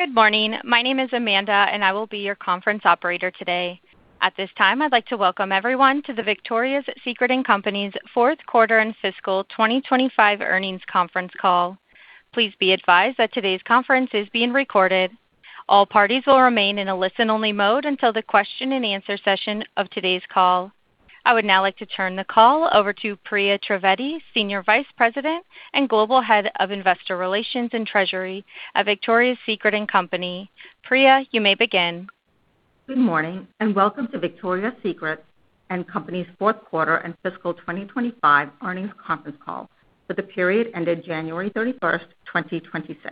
Good morning. My name is Amanda, and I will be your conference operator today. At this time, I'd like to welcome everyone to the Victoria's Secret & Company's Q4 and fiscal 2025 earnings conference call. Please be advised that today's conference is being recorded. All parties will remain in a listen-only mode until the Q&A session of today's call. I would now like to turn the call over to Priya Trivedi, Senior Vice President and Global Head of Investor Relations and Treasury at Victoria's Secret & Company. Priya, you may begin. Good morning, and welcome to Victoria's Secret & Company's Q4 and fiscal 2025 earnings conference call for the period ended January 31, 2026.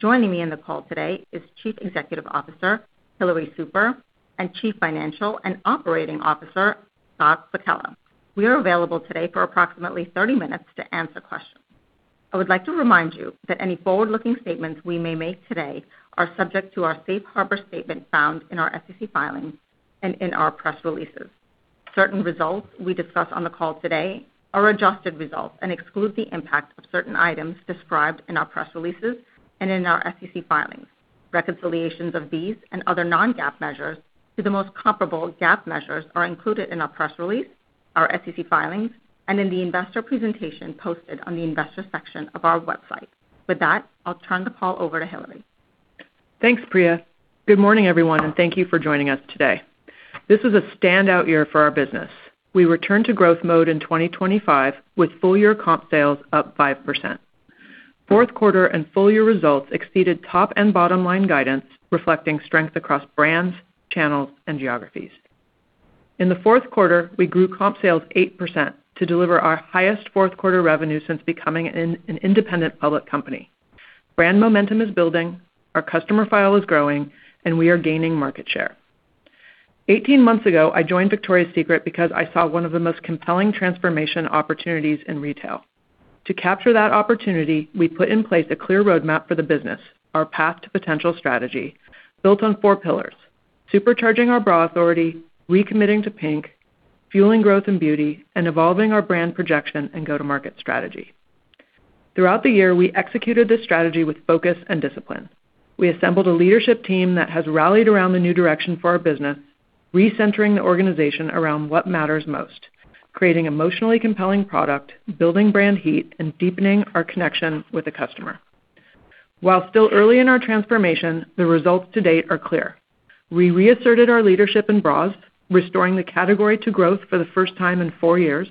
Joining me in the call today is Chief Executive Officer, Hillary Super, and Chief Financial and Operating Officer, Scott Sekella. We are available today for approximately 30 minutes to answer questions. I would like to remind you that any forward-looking statements we may make today are subject to our safe harbor statement found in our SEC filings and in our press releases. Certain results we discuss on the call today are adjusted results and exclude the impact of certain items described in our press releases and in our SEC filings. Reconciliations of these and other non-GAAP measures to the most comparable GAAP measures are included in our press release, our SEC filings, and in the investor presentation posted on the investor section of our website. With that, I'll turn the call over to Hillary. Thanks, Priya. Good morning, everyone, and thank you for joining us today. This is a standout year for our business. We returned to growth mode in 2025 with full-year comp sales up 5%. Q4 and full-year results exceeded top and bottom line guidance, reflecting strength across brands, channels, and geographies. In the Q4, we grew comp sales 8% to deliver our highest Q4 revenue since becoming an independent public company. Brand momentum is building, our customer file is growing, and we are gaining market share. 18 months ago, I joined Victoria's Secret because I saw one of the most compelling transformation opportunities in retail. To capture that opportunity, we put in place a clear roadmap for the business, our Path to Potential strategy, built on four pillars: supercharging our bra authority, recommitting to PINK, fueling growth in beauty, and evolving our brand projection and go-to-market strategy. Throughout the year, we executed this strategy with focus and discipline. We assembled a leadership team that has rallied around the new direction for our business, recentering the organization around what matters most, creating emotionally compelling product, building brand heat, and deepening our connection with the customer. While still early in our transformation, the results to date are clear. We reasserted our leadership in bras, restoring the category to growth for the first time in four years.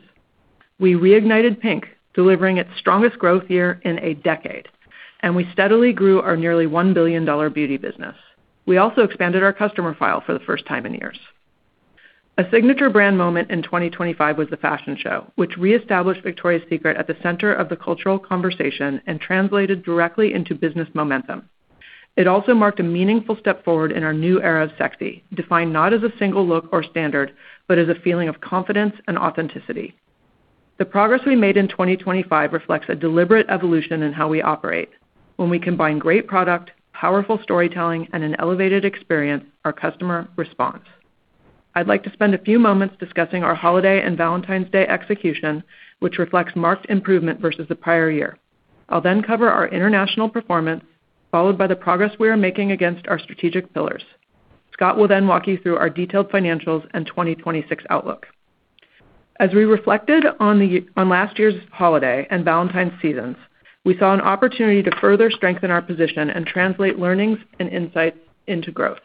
We reignited PINK, delivering its strongest growth year in a decade, and we steadily grew our nearly $1 billion beauty business. We also expanded our customer file for the first time in years. A signature brand moment in 2025 was the fashion show, which reestablished Victoria's Secret at the center of the cultural conversation and translated directly into business momentum. It also marked a meaningful step forward in our new era of sexy, defined not as a single look or standard, but as a feeling of confidence and authenticity. The progress we made in 2025 reflects a deliberate evolution in how we operate. When we combine great product, powerful storytelling, and an elevated experience, our customer responds. I'd like to spend a few moments discussing our holiday and Valentine's Day execution, which reflects marked improvement versus the prior year. I'll then cover our international performance, followed by the progress we are making against our strategic pillars. Scott will then walk you through our detailed financials and 2026 outlook. As we reflected on last year's holiday and Valentine's seasons, we saw an opportunity to further strengthen our position and translate learnings and insights into growth.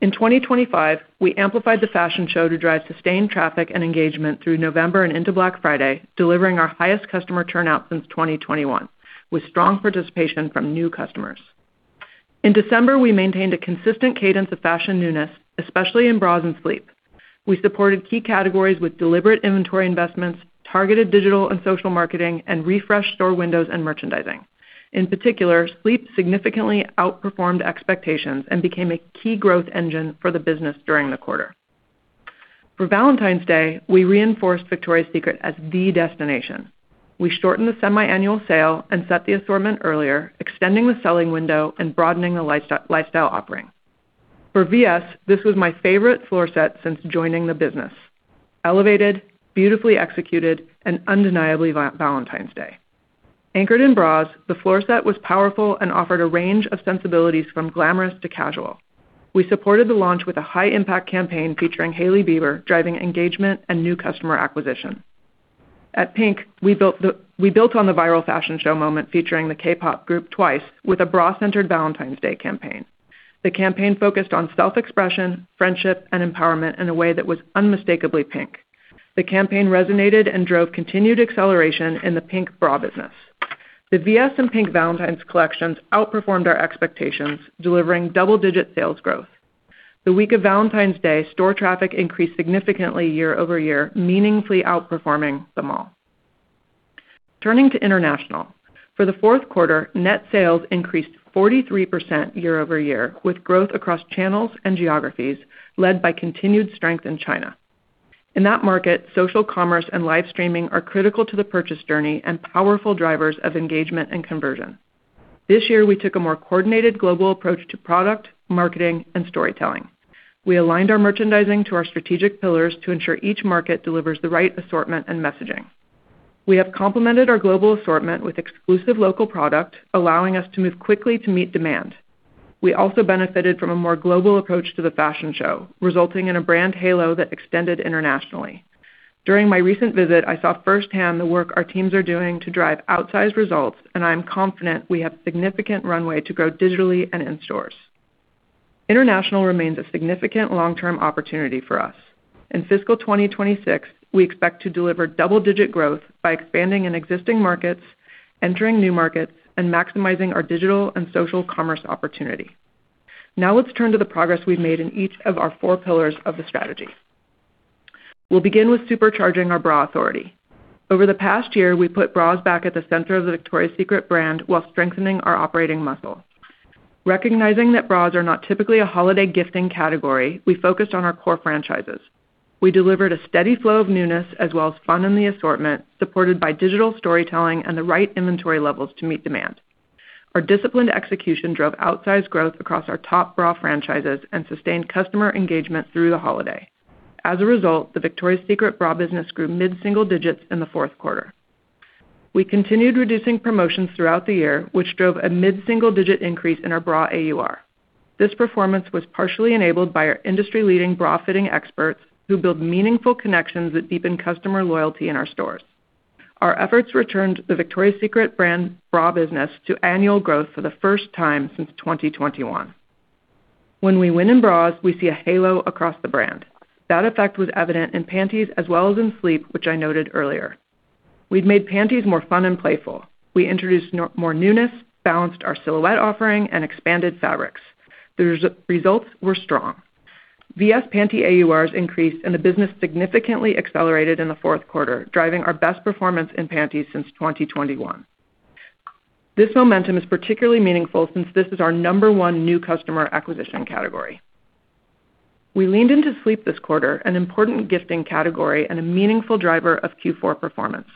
In 2025, we amplified the fashion show to drive sustained traffic and engagement through November and into Black Friday, delivering our highest customer turnout since 2021, with strong participation from new customers. In December, we maintained a consistent cadence of fashion newness, especially in bras and sleep. We supported key categories with deliberate inventory investments, targeted digital and social marketing, and refreshed store windows and merchandising. In particular, sleep significantly outperformed expectations and became a key growth engine for the business during the quarter. For Valentine's Day, we reinforced Victoria's Secret as the destination. We shortened the semiannual sale and set the assortment earlier, extending the selling window and broadening the lifestyle offering. For VS, this was my favorite floor set since joining the business. Elevated, beautifully executed, and undeniably Valentine's Day. Anchored in bras, the floor set was powerful and offered a range of sensibilities from glamorous to casual. We supported the launch with a high-impact campaign featuring Hailey Bieber, driving engagement and new customer acquisition. At PINK, We built on the viral fashion show moment featuring the K-pop group TWICE with a bra-centered Valentine's Day campaign. The campaign focused on self-expression, friendship, and empowerment in a way that was unmistakably PINK. The campaign resonated and drove continued acceleration in the PINK bra business. The VS and PINK Valentine's collections outperformed our expectations, delivering double-digit sales growth. The week of Valentine's Day, store traffic increased significantly year-over-year, meaningfully outperforming the mall. Turning to international, for the Q4, net sales increased 43% year-over-year, with growth across channels and geographies led by continued strength in China. In that market, social commerce and live streaming are critical to the purchase journey and powerful drivers of engagement and conversion. This year, we took a more coordinated global approach to product, marketing, and storytelling. We aligned our merchandising to our strategic pillars to ensure each market delivers the right assortment and messaging. We have complemented our global assortment with exclusive local product, allowing us to move quickly to meet demand. We also benefited from a more global approach to the fashion show, resulting in a brand halo that extended internationally. During my recent visit, I saw firsthand the work our teams are doing to drive outsized results, and I am confident we have significant runway to grow digitally and in stores. International remains a significant long-term opportunity for us. In fiscal 2026, we expect to deliver double-digit growth by expanding in existing markets, entering new markets, and maximizing our digital and social commerce opportunity. Now let's turn to the progress we've made in each of our four pillars of the strategy. We'll begin with supercharging our bra authority. Over the past year, we put bras back at the center of the Victoria's Secret brand while strengthening our operating muscle. Recognizing that bras are not typically a holiday gifting category, we focused on our core franchises. We delivered a steady flow of newness as well as fun in the assortment, supported by digital storytelling and the right inventory levels to meet demand. Our disciplined execution drove outsized growth across our top bra franchises and sustained customer engagement through the holiday. As a result, the Victoria's Secret bra business grew mid-single digits in the Q4. We continued reducing promotions throughout the year, which drove a mid-single-digit increase in our bra AUR. This performance was partially enabled by our industry-leading bra fitting experts, who build meaningful connections that deepen customer loyalty in our stores. Our efforts returned the Victoria's Secret brand bra business to annual growth for the first time since 2021. When we win in bras, we see a halo across the brand. That effect was evident in panties as well as in sleep, which I noted earlier. We've made panties more fun and playful. We introduced more newness, balanced our silhouette offering, and expanded fabrics. The results were strong. VS panty AURs increased, and the business significantly accelerated in the Q4, driving our best performance in panties since 2021. This momentum is particularly meaningful since this is our number one new customer acquisition category. We leaned into sleep this quarter, an important gifting category and a meaningful driver of Q4 performance.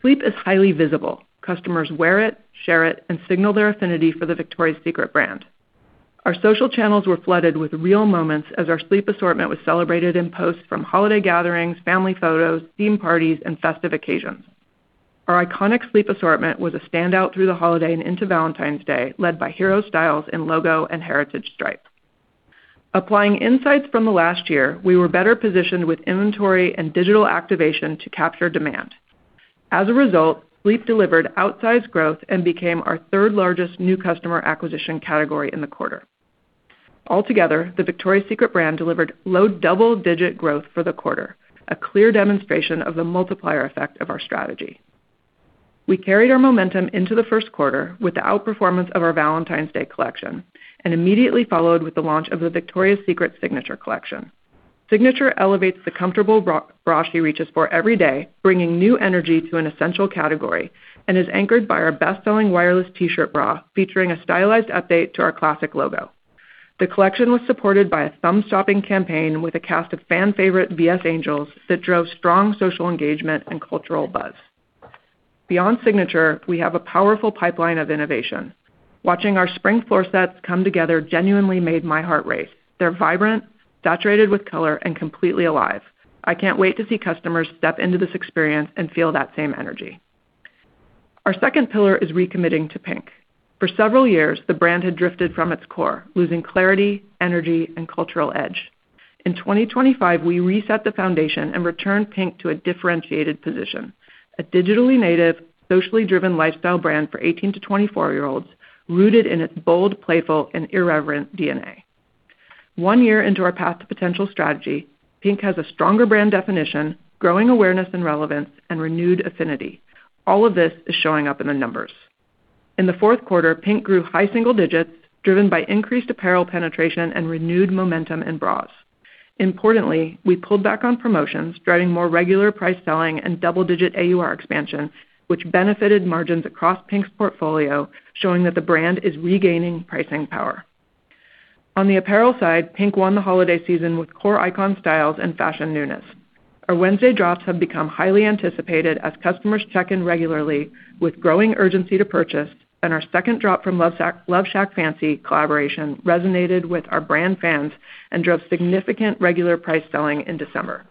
Sleep is highly visible. Customers wear it, share it, and signal their affinity for the Victoria's Secret brand. Our social channels were flooded with real moments as our sleep assortment was celebrated in posts from holiday gatherings, family photos, themed parties, and festive occasions. Our iconic sleep assortment was a standout through the holiday and into Valentine's Day, led by hero styles in logo and heritage stripe. Applying insights from the last year, we were better positioned with inventory and digital activation to capture demand. As a result, sleep delivered outsized growth and became our third-largest new customer acquisition category in the quarter. Altogether, the Victoria's Secret brand delivered low double-digit growth for the quarter, a clear demonstration of the multiplier effect of our strategy. We carried our momentum into the Q1 with the outperformance of our Valentine's Day collection and immediately followed with the launch of the Victoria's Secret Signature Collection. Signature elevates the comfortable bra she reaches for every day, bringing new energy to an essential category and is anchored by our best-selling wireless T-shirt bra, featuring a stylized update to our classic logo. The collection was supported by a thumb-stopping campaign with a cast of fan favorite VS Angels that drove strong social engagement and cultural buzz. Beyond Signature, we have a powerful pipeline of innovation. Watching our spring floor sets come together genuinely made my heart race. They're vibrant, saturated with color, and completely alive. I can't wait to see customers step into this experience and feel that same energy. Our second pillar is recommitting to PINK. For several years, the brand had drifted from its core, losing clarity, energy, and cultural edge. In 2025, we reset the foundation and returned PINK to a differentiated position. A digitally native, socially driven lifestyle brand for 18-24-year-olds, rooted in its bold, playful, and irreverent DNA. One year into our Path to Potential strategy, PINK has a stronger brand definition, growing awareness and relevance, and renewed affinity. All of this is showing up in the numbers. In the Q4, PINK grew high single digits, driven by increased apparel penetration and renewed momentum in bras. Importantly, we pulled back on promotions, driving more regular price selling and double-digit AUR expansion, which benefited margins across PINK's portfolio, showing that the brand is regaining pricing power. On the apparel side, PINK won the holiday season with core icon styles and fashion newness. Our Wednesday drops have become highly anticipated as customers check in regularly with growing urgency to purchase, and our second drop from LoveShackFancy collaboration resonated with our brand fans and drove significant regular price selling in December.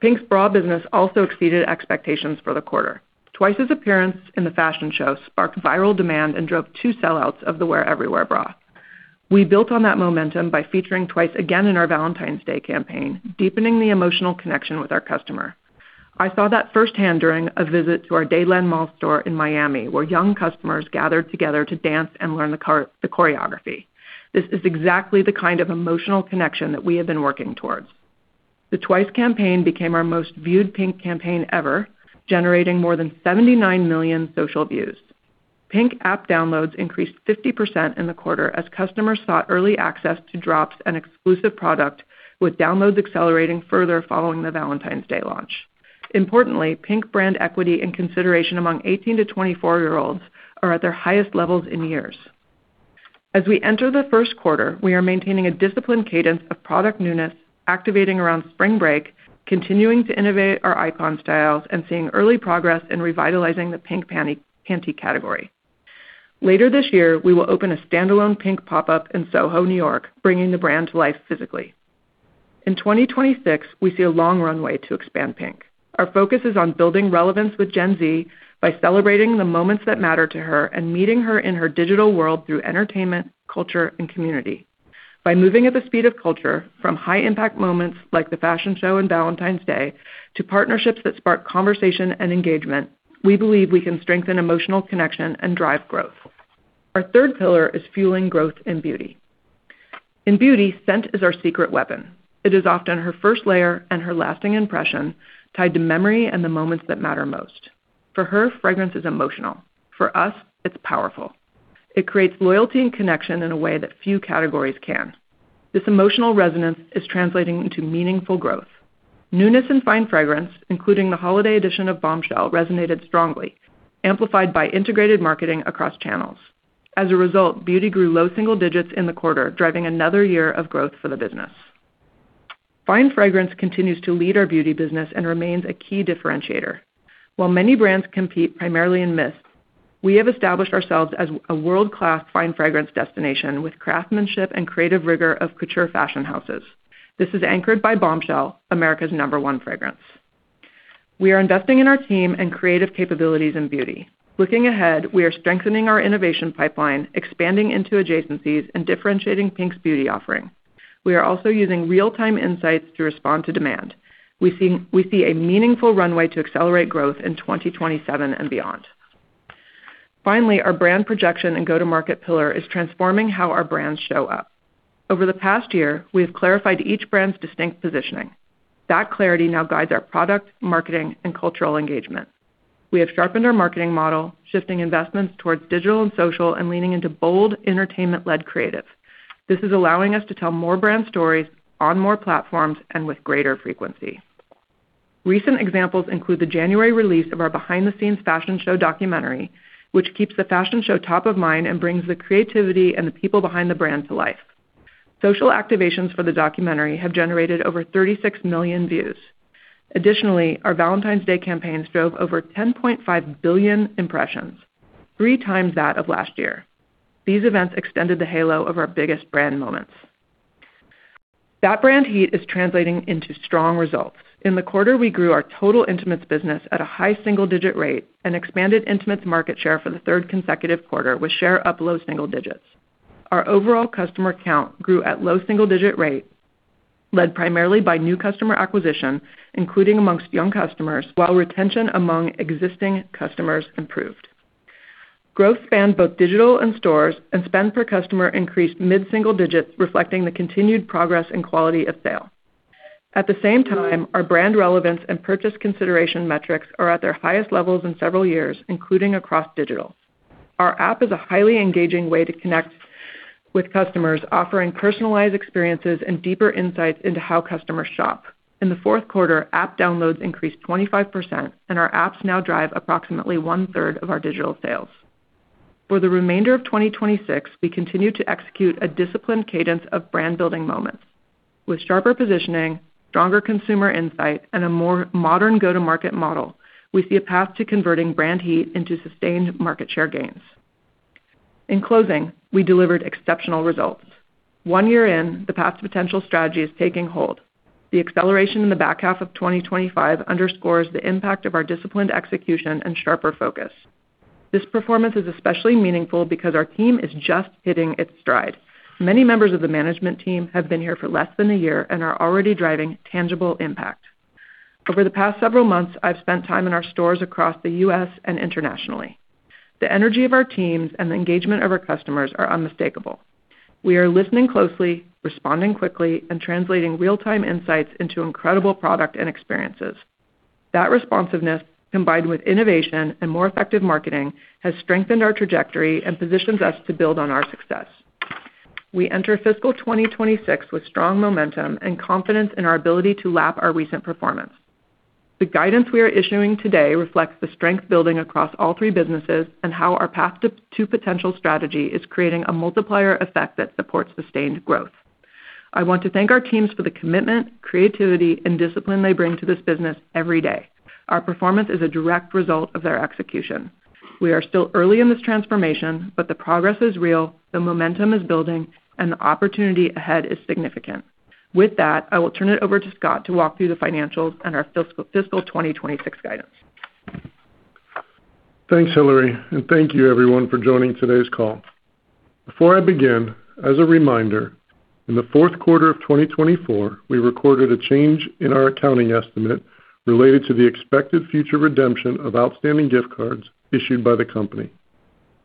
PINK's bra business also exceeded expectations for the quarter. TWICE's appearance in the fashion show sparked viral demand and drove two sellouts of the Wear Everywhere bra. We built on that momentum by featuring TWICE again in our Valentine's Day campaign, deepening the emotional connection with our customer. I saw that firsthand during a visit to our Dadeland Mall store in Miami, where young customers gathered together to dance and learn the choreography. This is exactly the kind of emotional connection that we have been working towards. The TWICE campaign became our most viewed PINK campaign ever, generating more than 79 million social views. PINK app downloads increased 50% in the quarter as customers sought early access to drops and exclusive product, with downloads accelerating further following the Valentine's Day launch. Importantly, PINK brand equity and consideration among 18 to 24-year-olds are at their highest levels in years. As we enter the Q1 we are maintaining a disciplined cadence of product newness, activating around spring break, continuing to innovate our icon styles, and seeing early progress in revitalizing the PINK panty category. Later this year, we will open a standalone PINK pop-up in SoHo, New York, bringing the brand to life physically. In 2026, we see a long runway to expand PINK. Our focus is on building relevance with Gen Z by celebrating the moments that matter to her and meeting her in her digital world through entertainment, culture, and community. By moving at the speed of culture from high impact moments like the fashion show and Valentine's Day to partnerships that spark conversation and engagement, we believe we can strengthen emotional connection and drive growth. Our third pillar is fueling growth in beauty. In beauty, scent is our secret weapon. It is often her first layer and her lasting impression tied to memory and the moments that matter most. For her, fragrance is emotional. For us, it's powerful. It creates loyalty and connection in a way that few categories can. This emotional resonance is translating into meaningful growth. Newness in fine fragrance, including the holiday edition of Bombshell, resonated strongly, amplified by integrated marketing across channels. As a result, beauty grew low single digits in the quarter, driving another year of growth for the business. Fine fragrance continues to lead our beauty business and remains a key differentiator. While many brands compete primarily in mist, we have established ourselves as a world-class fine fragrance destination with craftsmanship and creative rigor of couture fashion houses. This is anchored by Bombshell, America's number one fragrance. We are investing in our team and creative capabilities in beauty. Looking ahead, we are strengthening our innovation pipeline, expanding into adjacencies, and differentiating PINK's beauty offering. We are also using real-time insights to respond to demand. We see a meaningful runway to accelerate growth in 2027 and beyond. Our brand projection and go-to-market pillar is transforming how our brands show up. Over the past year, we have clarified each brand's distinct positioning. That clarity now guides our product, marketing, and cultural engagement. We have sharpened our marketing model, shifting investments towards digital and social and leaning into bold entertainment-led creative. This is allowing us to tell more brand stories on more platforms and with greater frequency. Recent examples include the January release of our behind-the-scenes fashion show documentary, which keeps the fashion show top of mind and brings the creativity and the people behind the brand to life. Social activations for the documentary have generated over 36 million views. Additionally, our Valentine's Day campaigns drove over 10.5 billion impressions, 3x that of last year. These events extended the halo of our biggest brand moments. That brand heat is translating into strong results. In the quarter, we grew our total intimates business at a high single-digit rate and expanded intimates market share for the third consecutive quarter with share up low single digits. Our overall customer count grew at low single-digit rates, led primarily by new customer acquisition, including amongst young customers, while retention among existing customers improved. Growth spanned both digital and stores, and spend per customer increased mid-single digits, reflecting the continued progress and quality of sale. At the same time, our brand relevance and purchase consideration metrics are at their highest levels in several years, including across digital. Our app is a highly engaging way to connect with customers, offering personalized experiences and deeper insights into how customers shop. In the Q4, app downloads increased 25%, and our apps now drive approximately 1/3 of our digital sales. For the remainder of 2026, we continue to execute a disciplined cadence of brand-building moments. With sharper positioning, stronger consumer insight, and a more modern go-to-market model, we see a path to converting brand heat into sustained market share gains. In closing, we delivered exceptional results. One year in, the Path to Potential strategy is taking hold. The acceleration in the back half of 2025 underscores the impact of our disciplined execution and sharper focus. This performance is especially meaningful because our team is just hitting its stride. Many members of the management team have been here for less than a year and are already driving tangible impact. Over the past several months, I've spent time in our stores across the U.S. and internationally. The energy of our teams and the engagement of our customers are unmistakable. We are listening closely, responding quickly, and translating real-time insights into incredible product and experiences. That responsiveness, combined with innovation and more effective marketing, has strengthened our trajectory and positions us to build on our success. We enter fiscal 2026 with strong momentum and confidence in our ability to lap our recent performance. The guidance we are issuing today reflects the strength building across all three businesses and how our Path to Potential strategy is creating a multiplier effect that supports sustained growth. I want to thank our teams for the commitment, creativity, and discipline they bring to this business every day. Our performance is a direct result of their execution. We are still early in this transformation, but the progress is real, the momentum is building, and the opportunity ahead is significant. With that, I will turn it over to Scott to walk through the financials and our fiscal 2026 guidance. Thanks, Hillary. Thank you everyone for joining today's call. Before I begin, as a reminder, in the Q4 of 2024, we recorded a change in our accounting estimate related to the expected future redemption of outstanding gift cards issued by the company.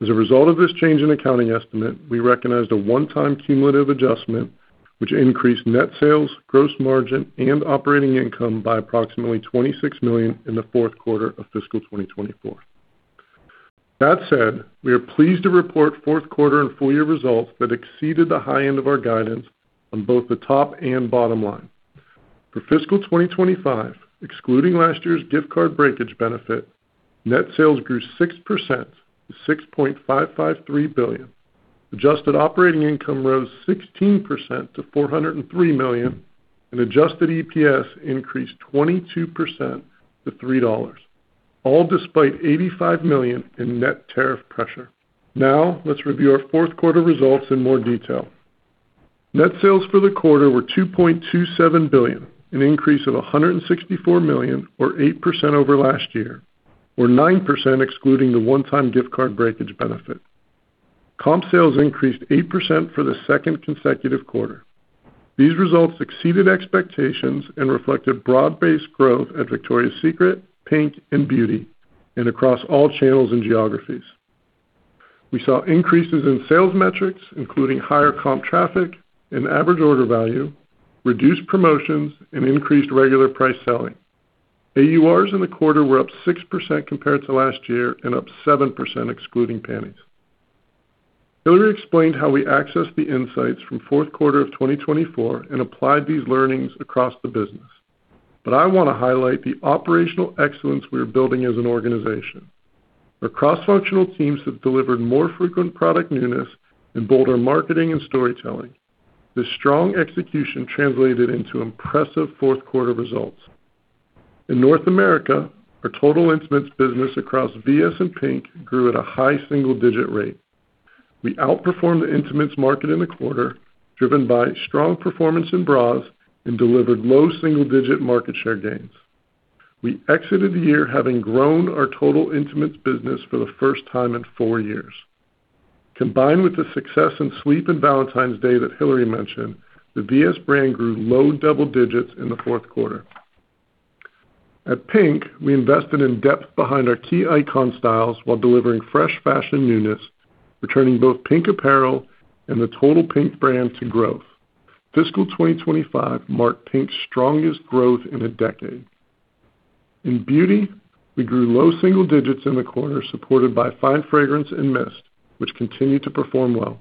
As a result of this change in accounting estimate, we recognized a one-time cumulative adjustment, which increased net sales, gross margin, and operating income by approximately $26 million in the Q4 of fiscal 2024. That said, we are pleased to report Q4 and full year results that exceeded the high end of our guidance on both the top and bottom line. For fiscal 2025, excluding last year's gift card breakage benefit, net sales grew 6% to $6.553 billion. Adjusted operating income rose 16% to $403 million and adjusted EPS increased 22% to $3, all despite $85 million in net tariff pressure. Let's review our Q4 results in more detail. Net sales for the quarter were $2.27 billion, an increase of $164 million or 8% over last year, or 9% excluding the one-time gift card breakage benefit. Comp sales increased 8% for the second consecutive quarter. These results exceeded expectations and reflected broad-based growth at Victoria's Secret, PINK, and Beauty and across all channels and geographies. We saw increases in sales metrics, including higher comp traffic and average order value, reduced promotions and increased regular price selling. AURs in the quarter were up 6% compared to last year and up 7% excluding panties. Hillary explained how we accessed the insights from Q4 of 2024 and applied these learnings across the business. I wanna highlight the operational excellence we are building as an organization. Our cross-functional teams have delivered more frequent product newness and bolder marketing and storytelling. This strong execution translated into impressive Q4 results. In North America, our total intimates business across VS and PINK grew at a high single-digit rate. We outperformed the intimates market in the quarter, driven by strong performance in bras and delivered low single-digit market share gains. We exited the year having grown our total intimates business for the first time in four years. Combined with the success in sleep and Valentine's Day that Hillary mentioned, the VS brand grew low double digits in the Q4. At PINK, we invested in depth behind our key icon styles while delivering fresh fashion newness, returning both PINK apparel and the total PINK brand to growth. Fiscal 2025 marked PINK's strongest growth in a decade. In beauty, we grew low single digits in the quarter, supported by fine fragrance and mist, which continued to perform well.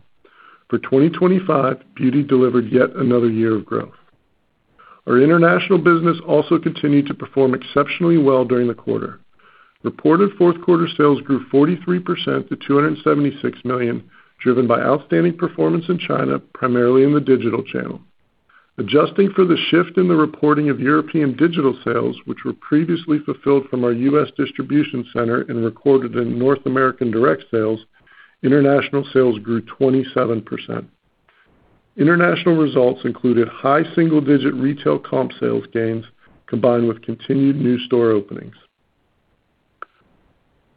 For 2025, beauty delivered yet another year of growth. Our international business also continued to perform exceptionally well during the quarter. Reported Q4 sales grew 43% to $276 million, driven by outstanding performance in China, primarily in the digital channel. Adjusting for the shift in the reporting of European digital sales, which were previously fulfilled from our U.S. distribution center and recorded in North American direct sales, international sales grew 27%. International results included high single-digit retail comp sales gains, combined with continued new store openings.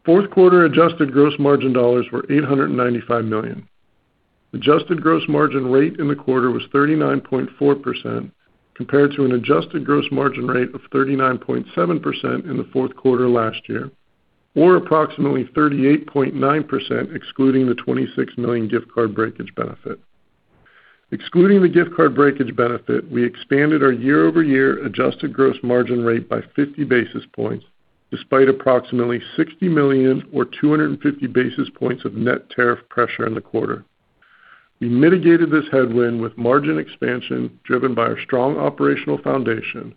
Q4 adjusted gross margin dollars were $895 million. Adjusted gross margin rate in the quarter was 39.4%, compared to an adjusted gross margin rate of 39.7% in the Q4 last year, or approximately 38.9% excluding the $26 million gift card breakage benefit. Excluding the gift card breakage benefit, we expanded our year-over-year adjusted gross margin rate by 50 basis points, despite approximately $60 million or 250 basis points of net tariff pressure in the quarter. We mitigated this headwind with margin expansion driven by our strong operational foundation,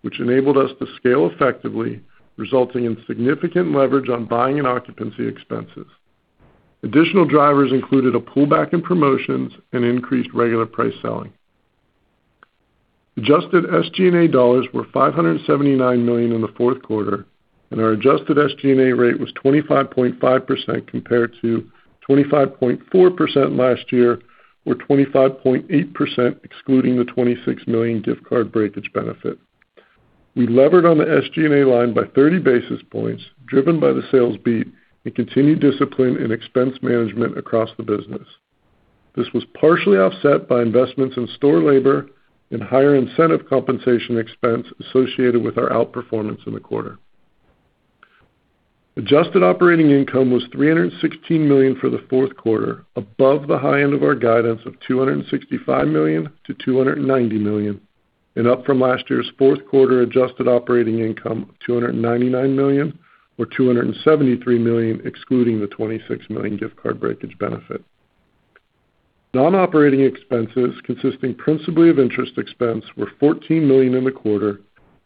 which enabled us to scale effectively, resulting in significant leverage on buying and occupancy expenses. Additional drivers included a pullback in promotions and increased regular price selling. Adjusted SG&A dollars were $579 million in the Q4, and our adjusted SG&A rate was 25.5% compared to 25.4% last year, or 25.8% excluding the $26 million gift card breakage benefit. We levered on the SG&A line by 30 basis points, driven by the sales beat and continued discipline in expense management across the business. This was partially offset by investments in store labor and higher incentive compensation expense associated with our outperformance in the quarter. Adjusted operating income was $316 million for the Q4, above the high end of our guidance of $265 million-$290 million, and up from last year's Q4 adjusted operating income of $299 million or $273 million, excluding the $26 million gift card breakage benefit. Non-operating expenses, consisting principally of interest expense, were $14 million in the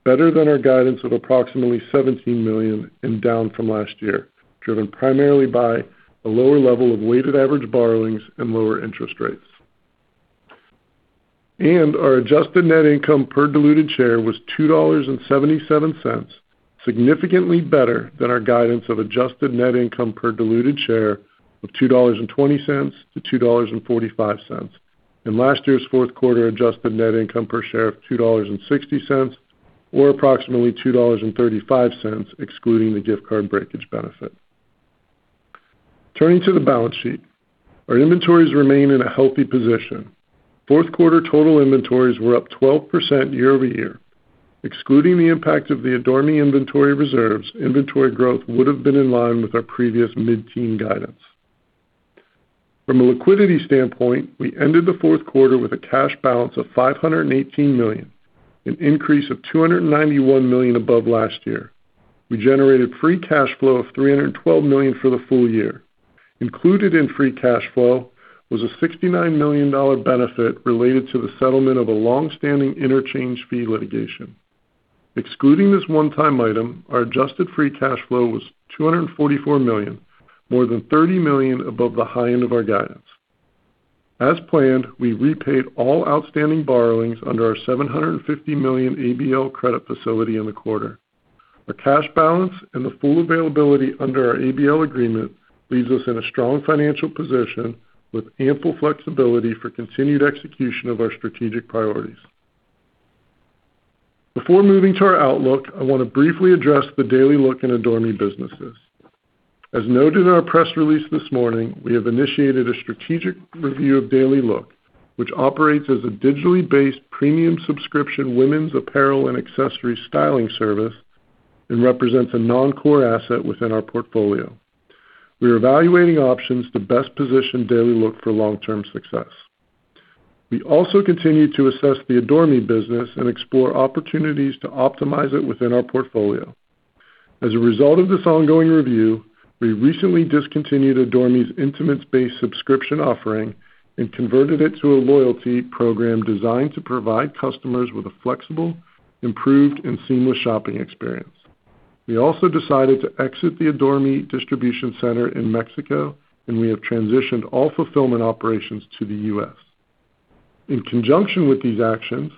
quarter, better than our guidance of approximately $17 million and down from last year, driven primarily by a lower level of weighted average borrowings and lower interest rates. Our adjusted net income per diluted share was $2.77, significantly better than our guidance of adjusted net income per diluted share of $2.20-$2.45. In last year's Q4, adjusted net income per share of $2.60, or approximately $2.35 excluding the gift card breakage benefit. Turning to the balance sheet. Our inventories remain in a healthy position. Q4 total inventories were up 12% year-over-year. Excluding the impact of the Adore Me inventory reserves, inventory growth would have been in line with our previous mid-teen guidance. From a liquidity standpoint, we ended the Q4 with a cash balance of $518 million, an increase of $291 million above last year. We generated free cash flow of $312 million for the full year. Included in free cash flow was a $69 million benefit related to the settlement of a longstanding interchange fee litigation. Excluding this one-time item, our adjusted free cash flow was $244 million, more than $30 million above the high end of our guidance. As planned, we repaid all outstanding borrowings under our $750 million ABL credit facility in the quarter. Our cash balance and the full availability under our ABL agreement leaves us in a strong financial position with ample flexibility for continued execution of our strategic priorities. Before moving to our outlook, I want to briefly address the DailyLook and Adore Me businesses. As noted in our press release this morning, we have initiated a strategic review of DailyLook, which operates as a digitally based premium subscription women's apparel and accessory styling service and represents a non-core asset within our portfolio. We are evaluating options to best position DailyLook for long-term success. We also continue to assess the Adore Me business and explore opportunities to optimize it within our portfolio. As a result of this ongoing review, we recently discontinued Adore Me's intimates-based subscription offering and converted it to a loyalty program designed to provide customers with a flexible, improved, and seamless shopping experience. We also decided to exit the Adore Me distribution center in Mexico, and we have transitioned all fulfillment operations to the U.S. In conjunction with these actions,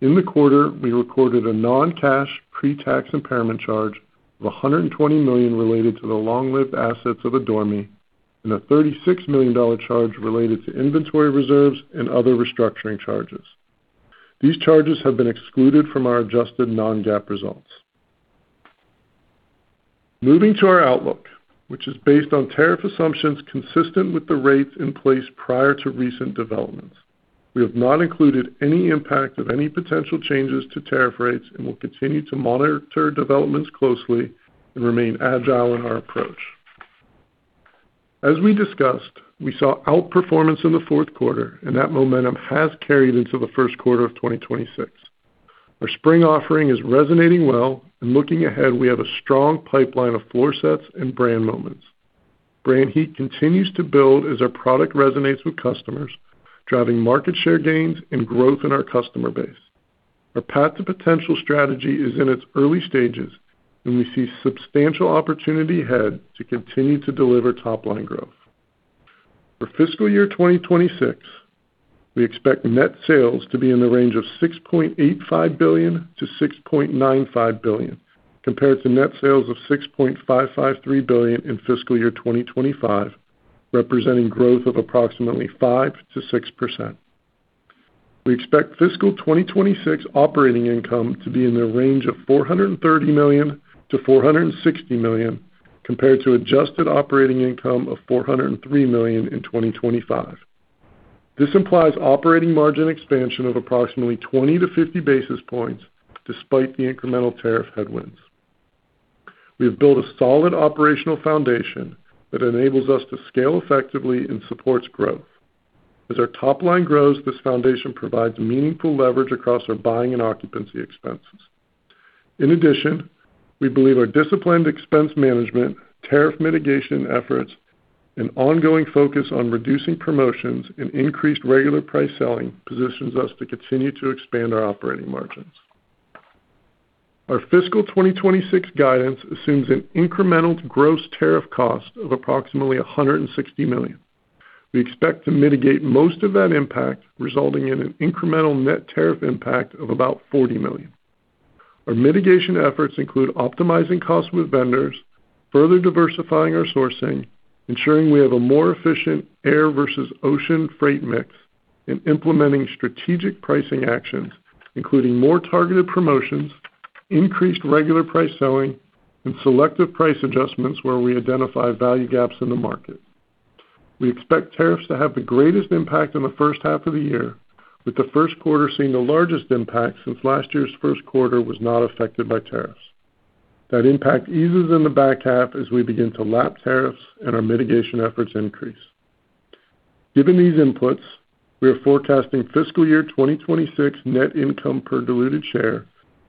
in the quarter, we recorded a non-cash pre-tax impairment charge of $120 million related to the long-lived assets of Adore Me and a $36 million charge related to inventory reserves and other restructuring charges. These charges have been excluded from our adjusted non-GAAP results. Moving to our outlook, which is based on tariff assumptions consistent with the rates in place prior to recent developments. We have not included any impact of any potential changes to tariff rates, and we'll continue to monitor developments closely and remain agile in our approach. As we discussed, we saw outperformance in the Q4, and that momentum has carried into the Q1 of 2026. Our spring offering is resonating well, and looking ahead, we have a strong pipeline of floor sets and brand moments. Brand heat continues to build as our product resonates with customers, driving market share gains and growth in our customer base. Our Path to Potential strategy is in its early stages, and we see substantial opportunity ahead to continue to deliver top-line growth. For fiscal year 2026, we expect net sales to be in the range of $6.85 billion-$6.95 billion, compared to net sales of $6.553 billion in fiscal year 2025, representing growth of approximately 5%-6%. We expect fiscal 2026 operating income to be in the range of $430 million-$460 million, compared to adjusted operating income of $403 million in 2025. This implies operating margin expansion of approximately 20 to 50 basis points despite the incremental tariff headwinds. We have built a solid operational foundation that enables us to scale effectively and supports growth. As our top line grows, this foundation provides meaningful leverage across our buying and occupancy expenses. In addition, we believe our disciplined expense management, tariff mitigation efforts, and ongoing focus on reducing promotions and increased regular price selling positions us to continue to expand our operating margins. Our fiscal 2026 guidance assumes an incremental gross tariff cost of approximately $160 million. We expect to mitigate most of that impact, resulting in an incremental net tariff impact of about $40 million. Our mitigation efforts include optimizing costs with vendors, further diversifying our sourcing, ensuring we have a more efficient air versus ocean freight mix, and implementing strategic pricing actions, including more targeted promotions, increased regular price selling, and selective price adjustments where we identify value gaps in the market. We expect tariffs to have the greatest impact on the first half of the year, with the Q1 seeing the largest impact since last year's Q1 was not affected by tariffs. That impact eases in the back half as we begin to lap tariffs and our mitigation efforts increase. Given these inputs, we are forecasting fiscal year 2026 net income per diluted share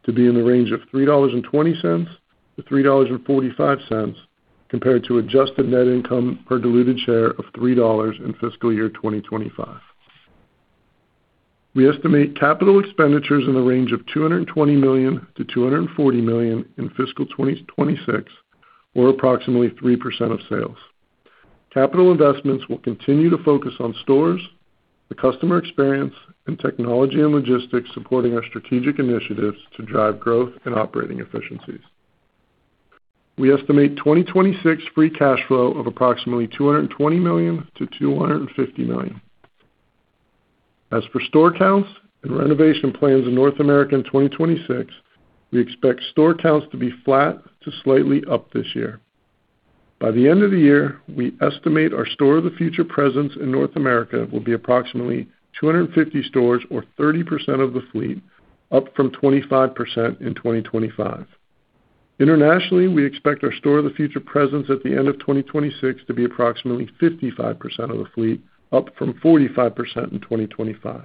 to be in the range of $3.20-$3.45, compared to adjusted net income per diluted share of $3 in fiscal year 2025. We estimate capital expenditures in the range of $220 million-$240 million in fiscal 2026, or approximately 3% of sales. Capital investments will continue to focus on stores, the customer experience, and technology and logistics supporting our strategic initiatives to drive growth and operating efficiencies. We estimate 2026 free cash flow of approximately $220 million-$250 million. As for store counts and renovation plans in North America in 2026, we expect store counts to be flat to slightly up this year. By the end of the year, we estimate our Store of the Future presence in North America will be approximately 250 stores or 30% of the fleet, up from 25% in 2025. Internationally, we expect our Store of the Future presence at the end of 2026 to be approximately 55% of the fleet, up from 45% in 2025.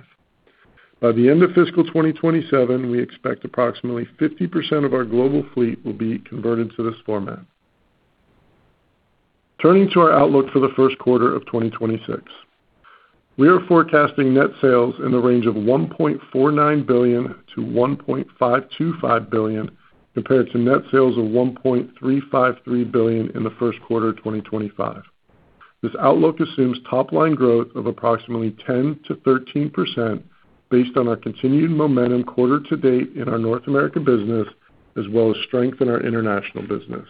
By the end of fiscal 2027, we expect approximately 50% of our global fleet will be converted to this format. Turning to our outlook for the Q1 of 2026. We are forecasting net sales in the range of $1.49 billion-$1.525 billion, compared to net sales of $1.353 billion in the Q1 of 2025. This outlook assumes top line growth of approximately 10%-13% based on our continued momentum quarter to date in our North American business as well as strength in our international business.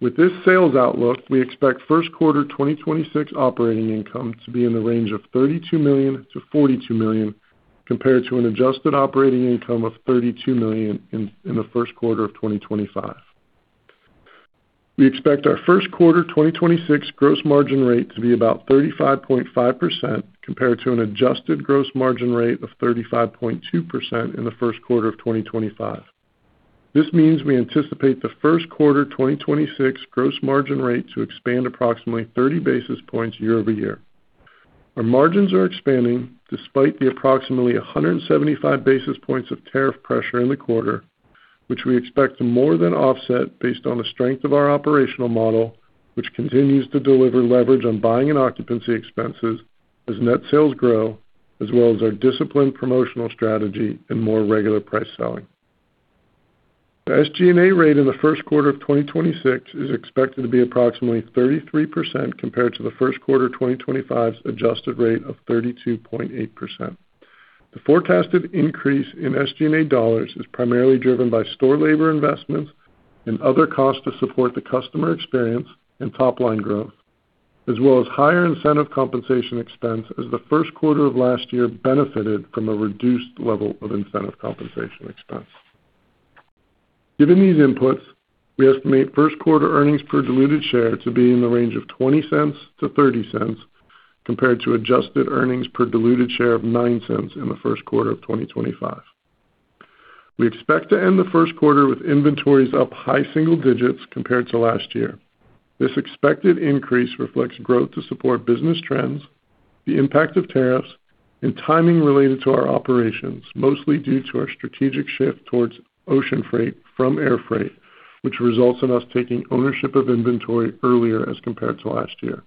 With this sales outlook, we expect Q1 2026 operating income to be in the range of $32 million-$42 million, compared to an adjusted operating income of $32 million in the Q1 of 2025. We expect our Q1 2026 gross margin rate to be about 35.5% compared to an adjusted gross margin rate of 35.2% in the Q1 of 2025. This means we anticipate the Q1 2026 gross margin rate to expand approximately 30 basis points year-over-year. Our margins are expanding despite the approximately 175 basis points of tariff pressure in the quarter, which we expect to more than offset based on the strength of our operational model, which continues to deliver leverage on buying and occupancy expenses as net sales grow, as well as our disciplined promotional strategy and more regular price selling. The SG&A rate in the Q1 of 2026 is expected to be approximately 33% compared to the Q1 2025's adjusted rate of 32.8%. The forecasted increase in SG&A dollars is primarily driven by store labor investments and other costs to support the customer experience and top line growth, as well as higher incentive compensation expense as the Q1 of last year benefited from a reduced level of incentive compensation expense. Given these inputs, we estimate Q1 earnings per diluted share to be in the range of $0.20-$0.30 compared to adjusted earnings per diluted share of $0.09 in the Q1 of 2025. We expect to end the Q1 with inventories up high single digits % compared to last year. This expected increase reflects growth to support business trends, the impact of tariffs, and timing related to our operations, mostly due to our strategic shift towards ocean freight from air freight, which results in us taking ownership of inventory earlier as compared to last year.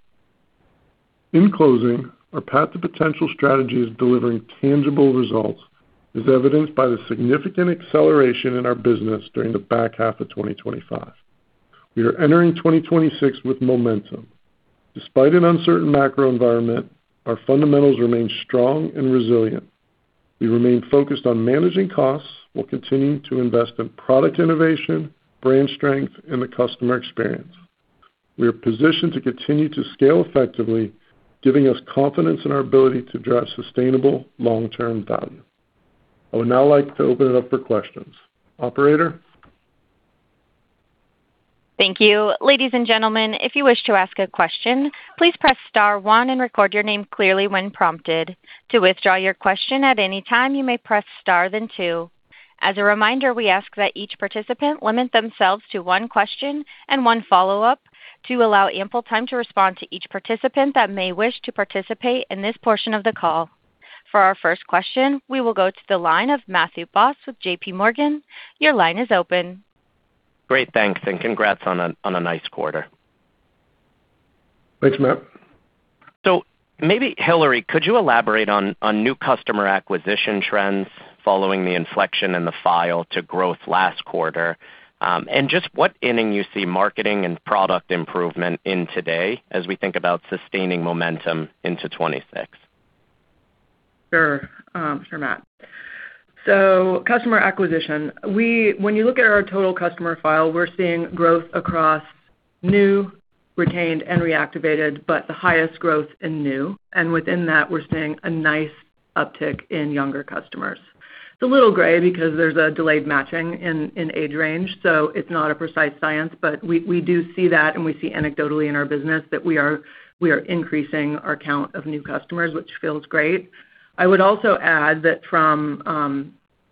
In closing, our Path to Potential strategy is delivering tangible results, as evidenced by the significant acceleration in our business during the back half of 2025. We are entering 2026 with momentum. Despite an uncertain macro environment, our fundamentals remain strong and resilient. We remain focused on managing costs. We'll continue to invest in product innovation, brand strength, and the customer experience. We are positioned to continue to scale effectively, giving us confidence in our ability to drive sustainable long-term value. I would now like to open it up for questions. Operator? Thank you. Ladies and gentlemen, if you wish to ask a question, please press star one and record your name clearly when prompted. To withdraw your question at any time, you may press star then two. As a reminder, we ask that each participant limit themselves to one question and one follow-up to allow ample time to respond to each participant that may wish to participate in this portion of the call. For our first question, we will go to the line of Matthew Boss with JPMorgan. Your line is open. Great. Thanks, and congrats on a nice quarter. Thanks, Matt. Maybe Hillary, could you elaborate on new customer acquisition trends following the inflection in the Path to Potential last quarter, and just what inning you see marketing and product improvement in today as we think about sustaining momentum into 2026? Sure, Matt. Customer acquisition. When you look at our total customer file, we're seeing growth across new, retained, and reactivated, but the highest growth in new. Within that, we're seeing a nice uptick in younger customers. It's a little gray because there's a delayed matching in age range, so it's not a precise science. We, we do see that, and we see anecdotally in our business that we are increasing our count of new customers, which feels great. I would also add that from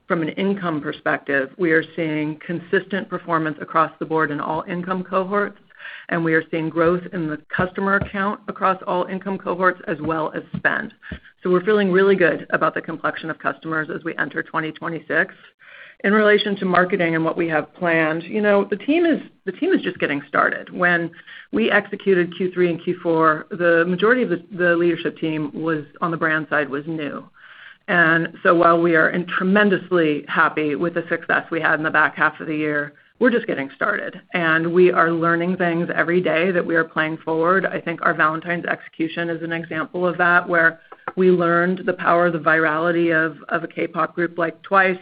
an income perspective, we are seeing consistent performance across the board in all income cohorts, and we are seeing growth in the customer count across all income cohorts as well as spend. We're feeling really good about the complexion of customers as we enter 2026. In relation to marketing and what we have planned, you know, the team is just getting started. When we executed Q3 and Q4, the majority of the leadership team was on the brand side was new. While we are tremendously happy with the success we had in the back half of the year, we're just getting started. We are learning things every day that we are planning forward. I think our Valentine's execution is an example of that, where we learned the power of the virality of a K-pop group like TWICE,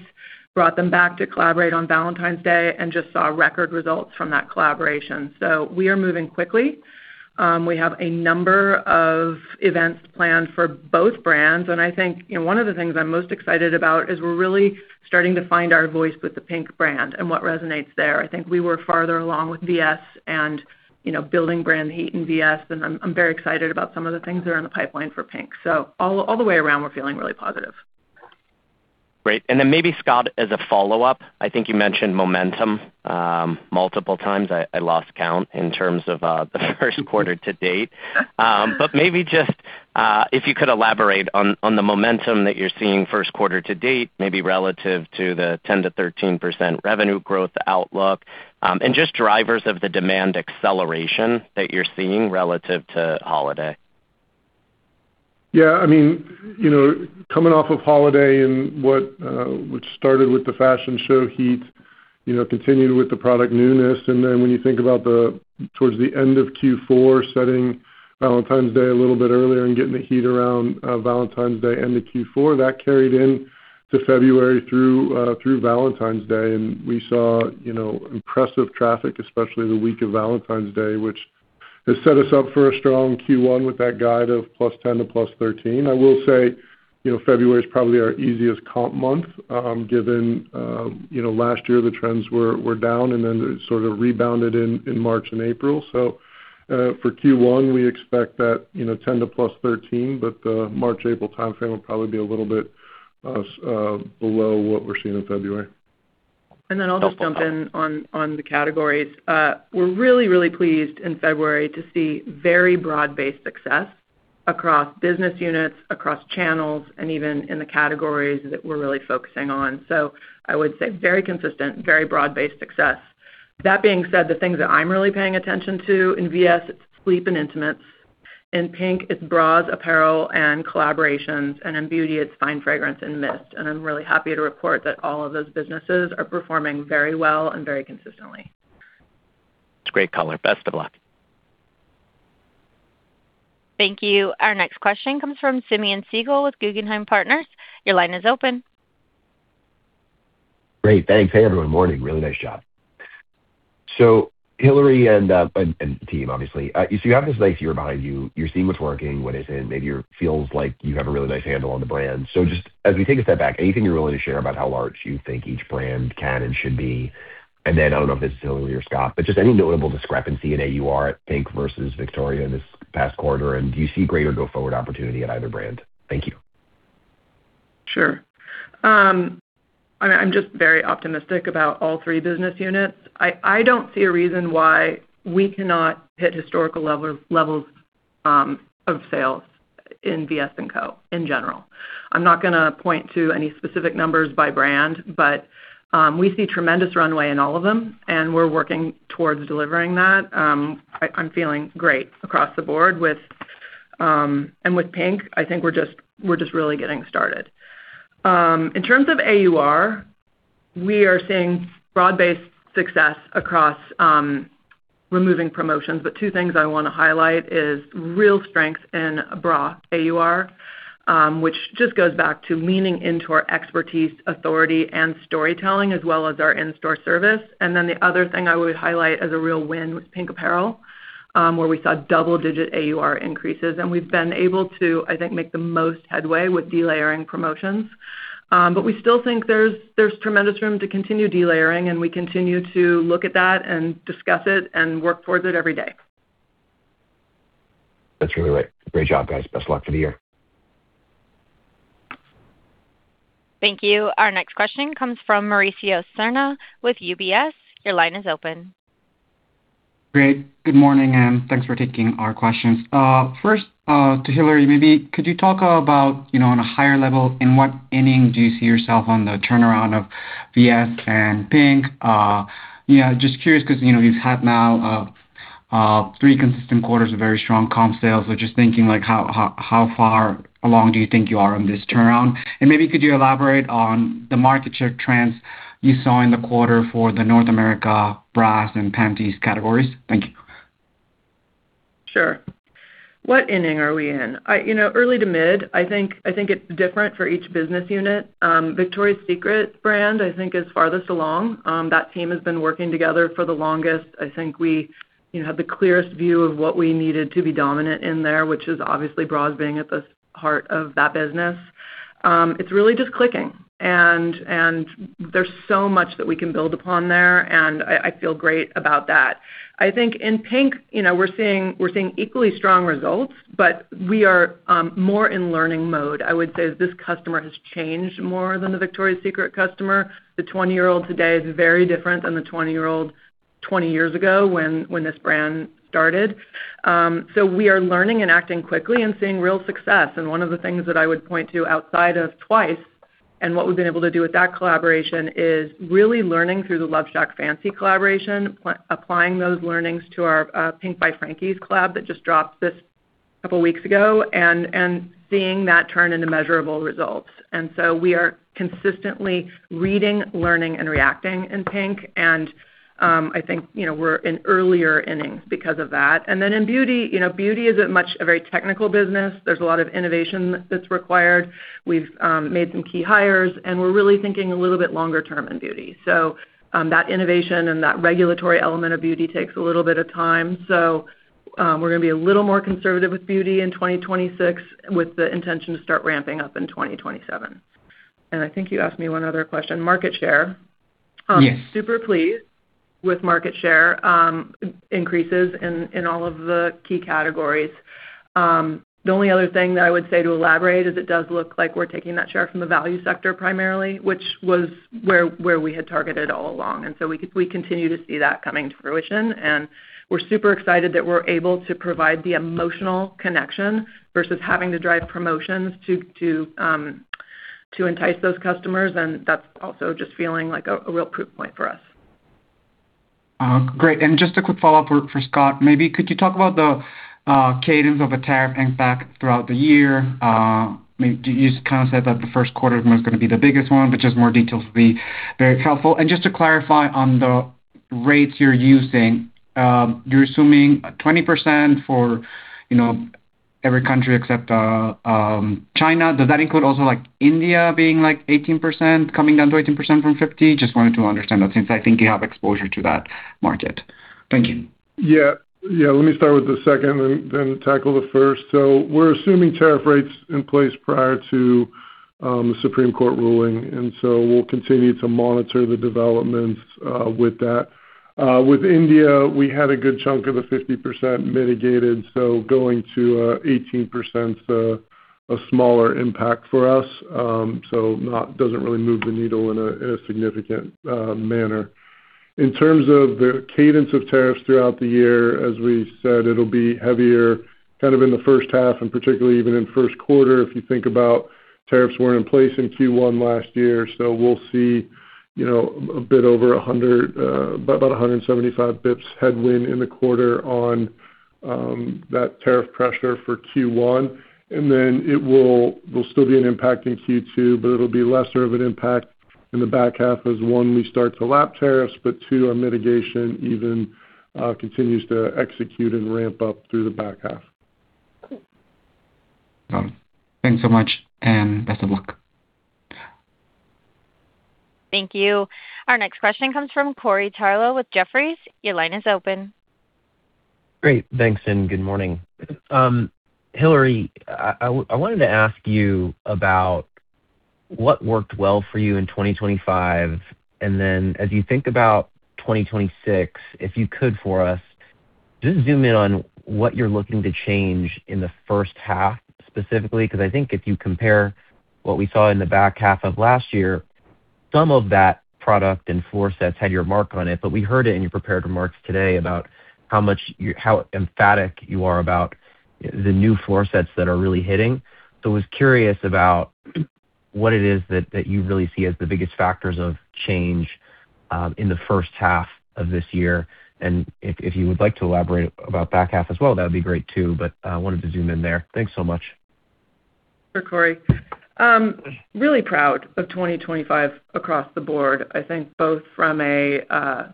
brought them back to collaborate on Valentine's Day and just saw record results from that collaboration. We are moving quickly. We have a number of events planned for both brands. I think, you know, one of the things I'm most excited about is we're really starting to find our voice with the PINK brand and what resonates there. I think we were farther along with VS and, you know, building brand heat in VS. I'm very excited about some of the things that are in the pipeline for PINK. All the way around, we're feeling really positive. Great. Maybe Scott, as a follow-up, I think you mentioned momentum, multiple times. I lost count in terms of the Q1 to date. Maybe just if you could elaborate on the momentum that you're seeing Q1 to date, maybe relative to the 10%-13% revenue growth outlook, and just drivers of the demand acceleration that you're seeing relative to holiday. Yeah, I mean, you know, coming off of holiday and what started with the fashion show heat, you know, continued with the product newness. When you think about towards the end of Q4, setting Valentine's Day a little bit earlier and getting the heat around Valentine's Day into Q4, that carried into February through Valentine's Day. We saw, you know, impressive traffic, especially the week of Valentine's Day, which has set us up for a strong Q1 with that guide of +10% to +13%. I will say, you know, February is probably our easiest comp month, given, you know, last year the trends were down and then they sort of rebounded in March and April. For Q1, we expect that, you know, 10% to +13%, the March-April timeframe will probably be a little bit below what we're seeing in February. Helpful color. I'll just jump in on the categories. We're really, really pleased in February to see very broad-based success across business units, across channels, and even in the categories that we're really focusing on. I would say very consistent, very broad-based success. That being said, the things that I'm really paying attention to in VS, it's sleep and intimates. In PINK, it's bras, apparel, and collaborations. In Beauty, it's fine fragrance and mist. I'm really happy to report that all of those businesses are performing very well and very consistently. It's a great color. Best of luck. Thank you. Our next question comes from Simeon Siegel with Guggenheim Partners. Your line is open. Great, thanks. Hey, everyone. Morning. Really nice job. Hillary and team, obviously. You see you have this nice year behind you. You're seeing what's working, what isn't, maybe feels like you have a really nice handle on the brand. Just as we take a step back, anything you're willing to share about how large you think each brand can and should be? I don't know if this is Hillary or Scott, but just any notable discrepancy in AUR at PINK versus Victoria in this past quarter, and do you see greater go-forward opportunity at either brand? Thank you. Sure. I mean, I'm just very optimistic about all three business units. I don't see a reason why we cannot hit historical levels of sales in VS and Co. in general. I'm not gonna point to any specific numbers by brand, but we see tremendous runway in all of them, and we're working towards delivering that. I'm feeling great across the board with. With PINK, I think we're just really getting started. In terms of AUR, we are seeing broad-based success across removing promotions. Two things I wanna highlight is real strength in bra AUR, which just goes back to leaning into our expertise, authority, and storytelling, as well as our in-store service. Then the other thing I would highlight as a real win was PINK apparel, where we saw double-digit AUR increases. We've been able to, I think, make the most headway with delayering promotions. We still think there's tremendous room to continue delayering, and we continue to look at that and discuss it and work towards it every day. That's really great. Great job, guys. Best of luck for the year. Thank you. Our next question comes from Mauricio Serna with UBS. Your line is open. Great. Good morning, and thanks for taking our questions. First, to Hillary, maybe could you talk about, you know, on a higher level, in what inning do you see yourself on the turnaround of VS and PINK? You know, just curious 'cause, you know, you've had now, three consistent quarters of very strong comp sales. Just thinking like how far along do you think you are on this turnaround? Maybe could you elaborate on the market share trends you saw in the quarter for the North America bras and panties categories? Thank you. Sure. What inning are we in? you know, early to mid. I think it's different for each business unit. Victoria's Secret brand, I think is farthest along. That team has been working together for the longest. I think we, you know, have the clearest view of what we needed to be dominant in there, which is obviously bras being at the heart of that business. It's really just clicking and there's so much that we can build upon there, and I feel great about that. I think in PINK, you know, we're seeing equally strong results, but we are more in learning mode. I would say this customer has changed more than the Victoria's Secret customer. The 20-year-old today is very different than the 20-year-old 20 years ago when this brand started. We are learning and acting quickly and seeing real success. One of the things that I would point to outside of TWICE and what we've been able to do with that collaboration is really learning through the LoveShackFancy collaboration, applying those learnings to our PINK by Frankies Club that just dropped this couple weeks ago, and seeing that turn into measurable results. We are consistently reading, learning, and reacting in PINK and I think, you know, we're in earlier innings because of that. In Beauty, you know, Beauty is a very technical business. There's a lot of innovation that's required. We've made some key hires, and we're really thinking a little bit longer term in Beauty. That innovation and that regulatory element of Beauty takes a little bit of time. We're gonna be a little more conservative with Beauty in 2026, with the intention to start ramping up in 2027. I think you asked me one other question, Market share? Yes. Super pleased with market share, increases in all of the key categories. The only other thing that I would say to elaborate is it does look like we're taking that share from the value sector primarily, which was where we had targeted all along. We continue to see that coming to fruition, and we're super excited that we're able to provide the emotional connection versus having to drive promotions to entice those customers, and that's also just feeling like a real proof point for us. Great. Just a quick follow-up for Scott, maybe could you talk about the cadence of a tariff impact throughout the year? You kind of said that the Q1 was gonna be the biggest one, but just more details would be very helpful. Just to clarify on the rates you're using, you're assuming 20% for, you know, every country except China. Does that include also like India being like 18%, coming down to 18% from 50? Just wanted to understand that since I think you have exposure to that market. Thank you. Yeah. Let me start with the second and then tackle the first. We're assuming tariff rates in place prior to Supreme Court ruling, and so we'll continue to monitor the developments with that. With India, we had a good chunk of the 50% mitigated, so going to 18%'s a smaller impact for us. So doesn't really move the needle in a significant manner. In terms of the cadence of tariffs throughout the year, as we said, it'll be heavier kind of in the first half, and particularly even in Q1. If you think about tariffs weren't in place in Q1 last year. We'll see, you know, a bit over 100, about 175 basis points headwind in the quarter on that tariff pressure for Q1. It will still be an impact in Q2, but it'll be lesser of an impact in the back half as, one, we start to lap tariffs, but two, our mitigation even continues to execute and ramp up through the back half. Thanks so much and best of luck. Thank you. Our next question comes from Corey Tarlowe with Jefferies. Your line is open. Great. Thanks, good morning. Hillary, I wanted to ask you about what worked well for you in 2025, as you think about 2026, if you could for us just zoom in on what you're looking to change in the first half specifically. 'Cause I think if you compare what we saw in the back half of last year, some of that product and floor sets had your mark on it. We heard it in your prepared remarks today about how much how emphatic you are about the new floor sets that are really hitting. I was curious about what it is that you really see as the biggest factors of change in the first half of this year. If you would like to elaborate about back half as well, that'd be great too, but wanted to zoom in there. Thanks so much. Sure, Corey. Really proud of 2025 across the board. I think both from a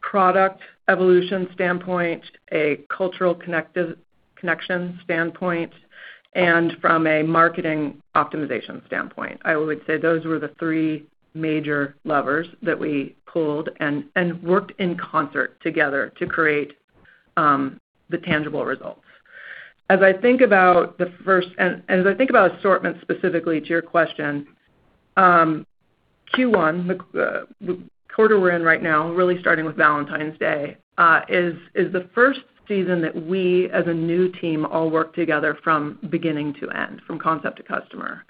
product evolution standpoint, a cultural connection standpoint, and from a marketing optimization standpoint. I would say those were the three major levers that we pulled and worked in concert together to create the tangible results. As I think about the first and as I think about assortment specifically to your question, Q1, the quarter we're in right now, really starting with Valentine's Day, is the first season that we as a new team all work together from beginning to end, from concept to customer.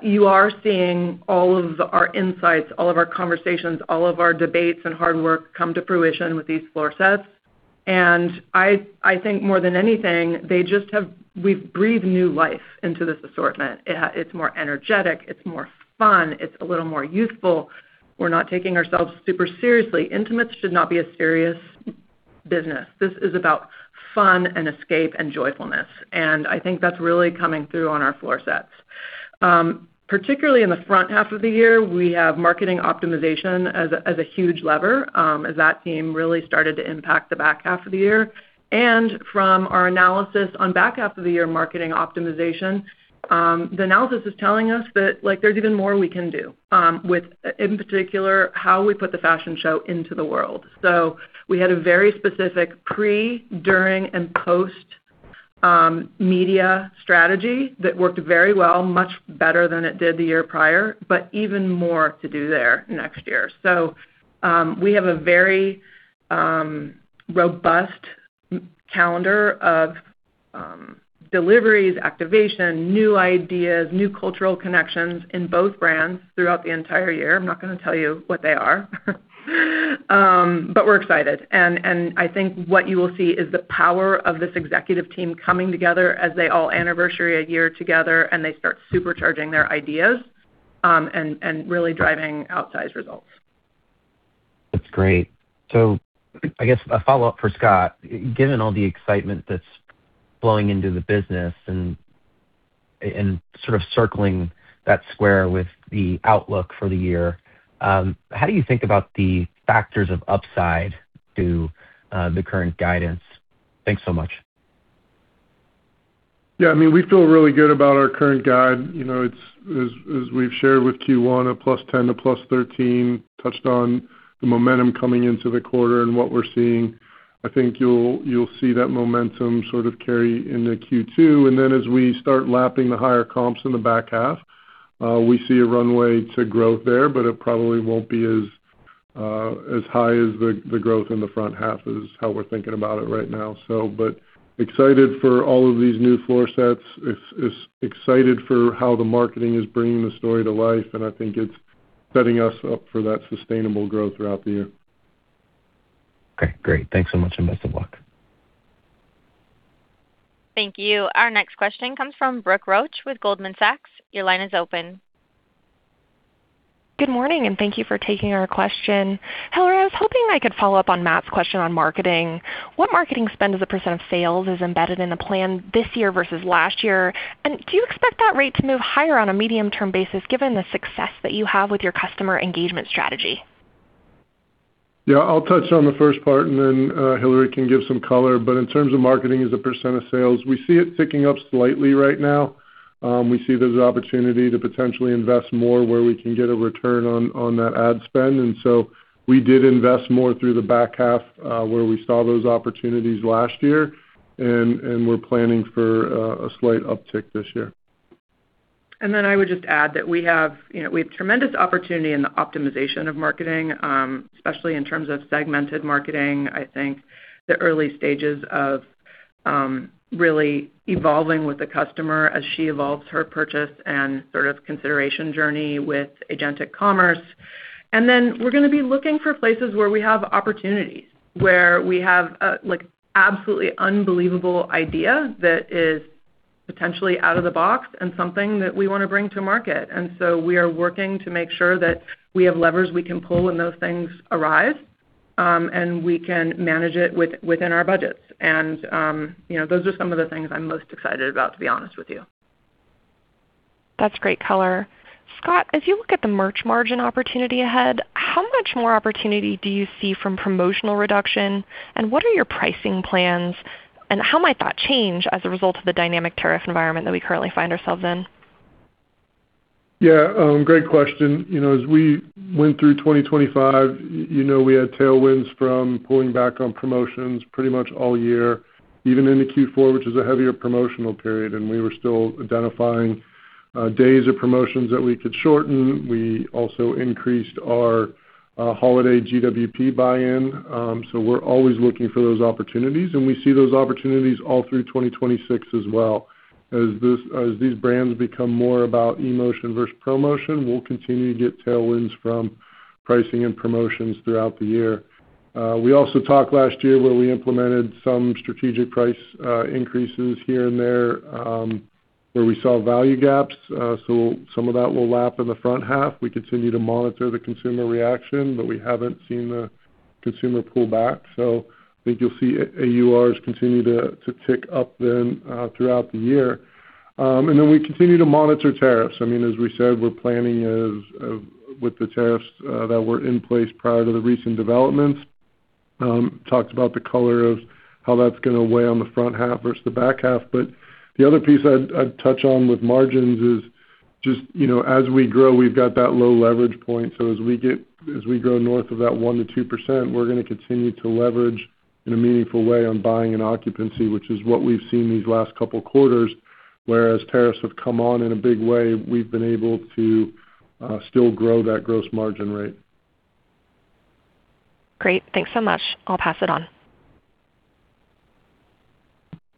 You are seeing all of our insights, all of our conversations, all of our debates and hard work come to fruition with these floor sets. I think more than anything, we've breathed new life into this assortment. It's more energetic, it's more fun, it's a little more youthful. We're not taking ourselves super seriously. Intimates should not be a serious business. This is about fun and escape and joyfulness, and I think that's really coming through on our floor sets. Particularly in the front half of the year, we have marketing optimization as a huge lever, as that team really started to impact the back half of the year. From our analysis on back half of the year marketing optimization, the analysis is telling us that, like, there's even more we can do, with, in particular, how we put the fashion show into the world. We had a very specific pre, during, and post media strategy that worked very well, much better than it did the year prior, but even more to do there next year. We have a very robust calendar of deliveries, activation, new ideas, new cultural connections in both brands throughout the entire year. I'm not gonna tell you what they are. We're excited. I think what you will see is the power of this executive team coming together as they all anniversary a year together and they start supercharging their ideas and really driving outsized results. That's great. I guess a follow-up for Scott. Given all the excitement that's flowing into the business and sort of circling that square with the outlook for the year, how do you think about the factors of upside to the current guidance? Thanks so much. Yeah, I mean, we feel really good about our current guide. You know, it's as we've shared with Q1, a +10% to +13% touched on the momentum coming into the quarter and what we're seeing. I think you'll see that momentum sort of carry into Q2, and then as we start lapping the higher comps in the back half, we see a runway to growth there, but it probably won't be as high as the growth in the front half is how we're thinking about it right now. But excited for all of these new floor sets. Excited for how the marketing is bringing the story to life, and I think it's setting us up for that sustainable growth throughout the year. Okay. Great. Thanks so much, and best of luck. Thank you. Our next question comes from Brooke Roach with Goldman Sachs. Your line is open. Good morning, and thank you for taking our question. Hillary, I was hoping I could follow up on Matt's question on marketing. What marketing spend as a % of sales is embedded in the plan this year versus last year? Do you expect that rate to move higher on a medium-term basis given the success that you have with your customer engagement strategy? Yeah. I'll touch on the first part and then Hillary can give some color. In terms of marketing as a percent of sales, we see it ticking up slightly right now. We see there's opportunity to potentially invest more where we can get a return on that ad spend. We did invest more through the back half where we saw those opportunities last year. We're planning for a slight uptick this year. I would just add that we have, you know, we have tremendous opportunity in the optimization of marketing, especially in terms of segmented marketing. I think the early stages of really evolving with the customer as she evolves her purchase and sort of consideration journey with agentic commerce. We're gonna be looking for places where we have opportunities, where we have a, like, absolutely unbelievable idea that is potentially out of the box and something that we wanna bring to market. We are working to make sure that we have levers we can pull when those things arise, and we can manage it within our budgets. You know, those are some of the things I'm most excited about, to be honest with you. That's great color. Scott, as you look at the merch margin opportunity ahead, how much more opportunity do you see from promotional reduction? What are your pricing plans, and how might that change as a result of the dynamic tariff environment that we currently find ourselves in? Yeah, great question. You know, as we went through 2025, you know, we had tailwinds from pulling back on promotions pretty much all year, even into Q4, which is a heavier promotional period, and we were still identifying days of promotions that we could shorten. We also increased our holiday GWP buy-in. We're always looking for those opportunities, and we see those opportunities all through 2026 as well. As these brands become more about emotion versus promotion, we'll continue to get tailwinds from pricing and promotions throughout the year. We also talked last year where we implemented some strategic price increases here and there, where we saw value gaps. Some of that will lap in the front half. We continue to monitor the consumer reaction, but we haven't seen the consumer pull back. I think you'll see AURs continue to tick up then throughout the year. We continue to monitor tariffs. I mean, as we said, we're planning with the tariffs that were in place prior to the recent developments. Talked about the color of how that's gonna weigh on the front half versus the back half. The other piece I'd touch on with margins is just, you know, as we grow, we've got that low leverage point. As we grow north of that 1%-2%, we're gonna continue to leverage in a meaningful way on buying and occupancy, which is what we've seen these last couple quarters, where as tariffs have come on in a big way, we've been able to still grow that gross margin rate. Great. Thanks so much. I'll pass it on.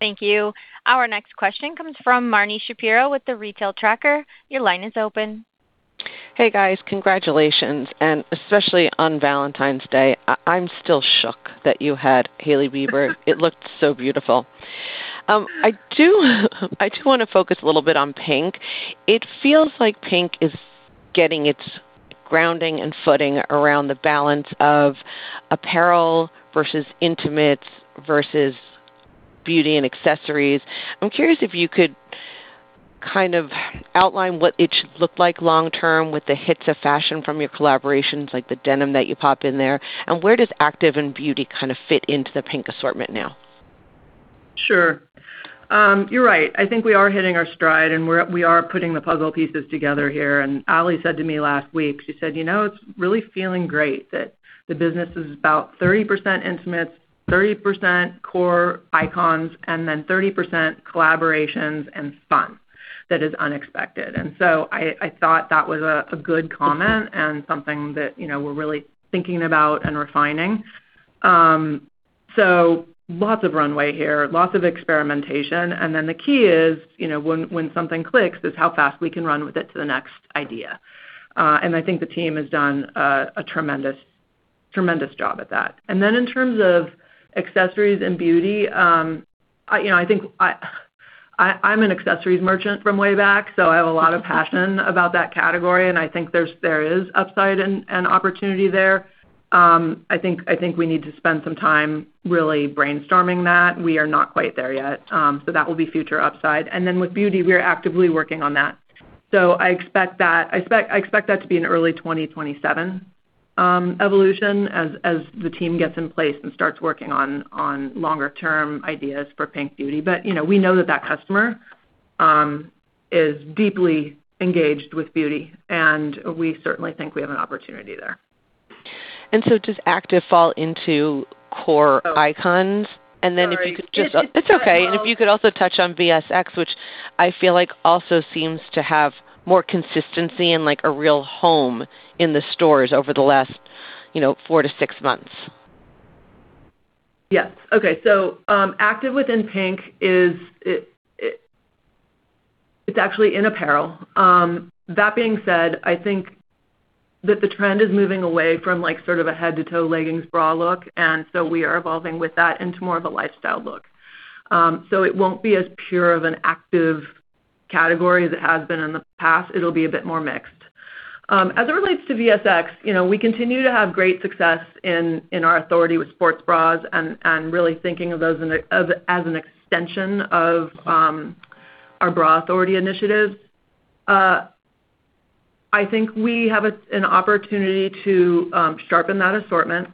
Thank you. Our next question comes from Marni Shapiro with The Retail Tracker. Your line is open. Hey, guys. Congratulations, and especially on Valentine's Day. I'm still shook that you had Hailey Bieber. It looked so beautiful. I do wanna focus a little bit on PINK. It feels like PINK is getting its grounding and footing around the balance of apparel versus intimates versus beauty and accessories. I'm curious if you could kind of outline what it should look like long term with the hits of fashion from your collaborations, like the denim that you pop in there, and where does active and beauty kind of fit into the PINK assortment now? Sure. You're right. I think we are hitting our stride, and we are putting the puzzle pieces together here. Ally said to me last week, she said, "You know, it's really feeling great that the business is about 30% intimates, 30% core icons, and then 30% collaborations and fun that is unexpected." I thought that was a good comment and something that, you know, we're really thinking about and refining. Lots of runway here, lots of experimentation. The key is, you know, when something clicks, is how fast we can run with it to the next idea. I think the team has done a tremendous job at that. In terms of accessories and beauty, you know, I think I'm an accessories merchant from way back, so I have a lot of passion about that category, and I think there is upside and opportunity there. I think we need to spend some time really brainstorming that. We are not quite there yet. That will be future upside. With beauty, we are actively working on that. I expect that to be an early 2027 evolution as the team gets in place and starts working on longer term ideas for PINK beauty. You know, we know that that customer is deeply engaged with beauty, and we certainly think we have an opportunity there. Does active fall into core icons? Sorry. If you could. It's okay. If you could also touch on VSX, which I feel like also seems to have more consistency and, like, a real home in the stores over the last, you know, four to six months. Yes. Okay. It's actually in apparel. That being said, I think that the trend is moving away from like sort of a head-to-toe leggings bra look, we are evolving with that into more of a lifestyle look. It won't be as pure of an active category as it has been in the past. It'll be a bit more mixed. As it relates to VSX, you know, we continue to have great success in our authority with sports bras and really thinking of those as an extension of our bra authority initiatives. I think we have an opportunity to sharpen that assortment,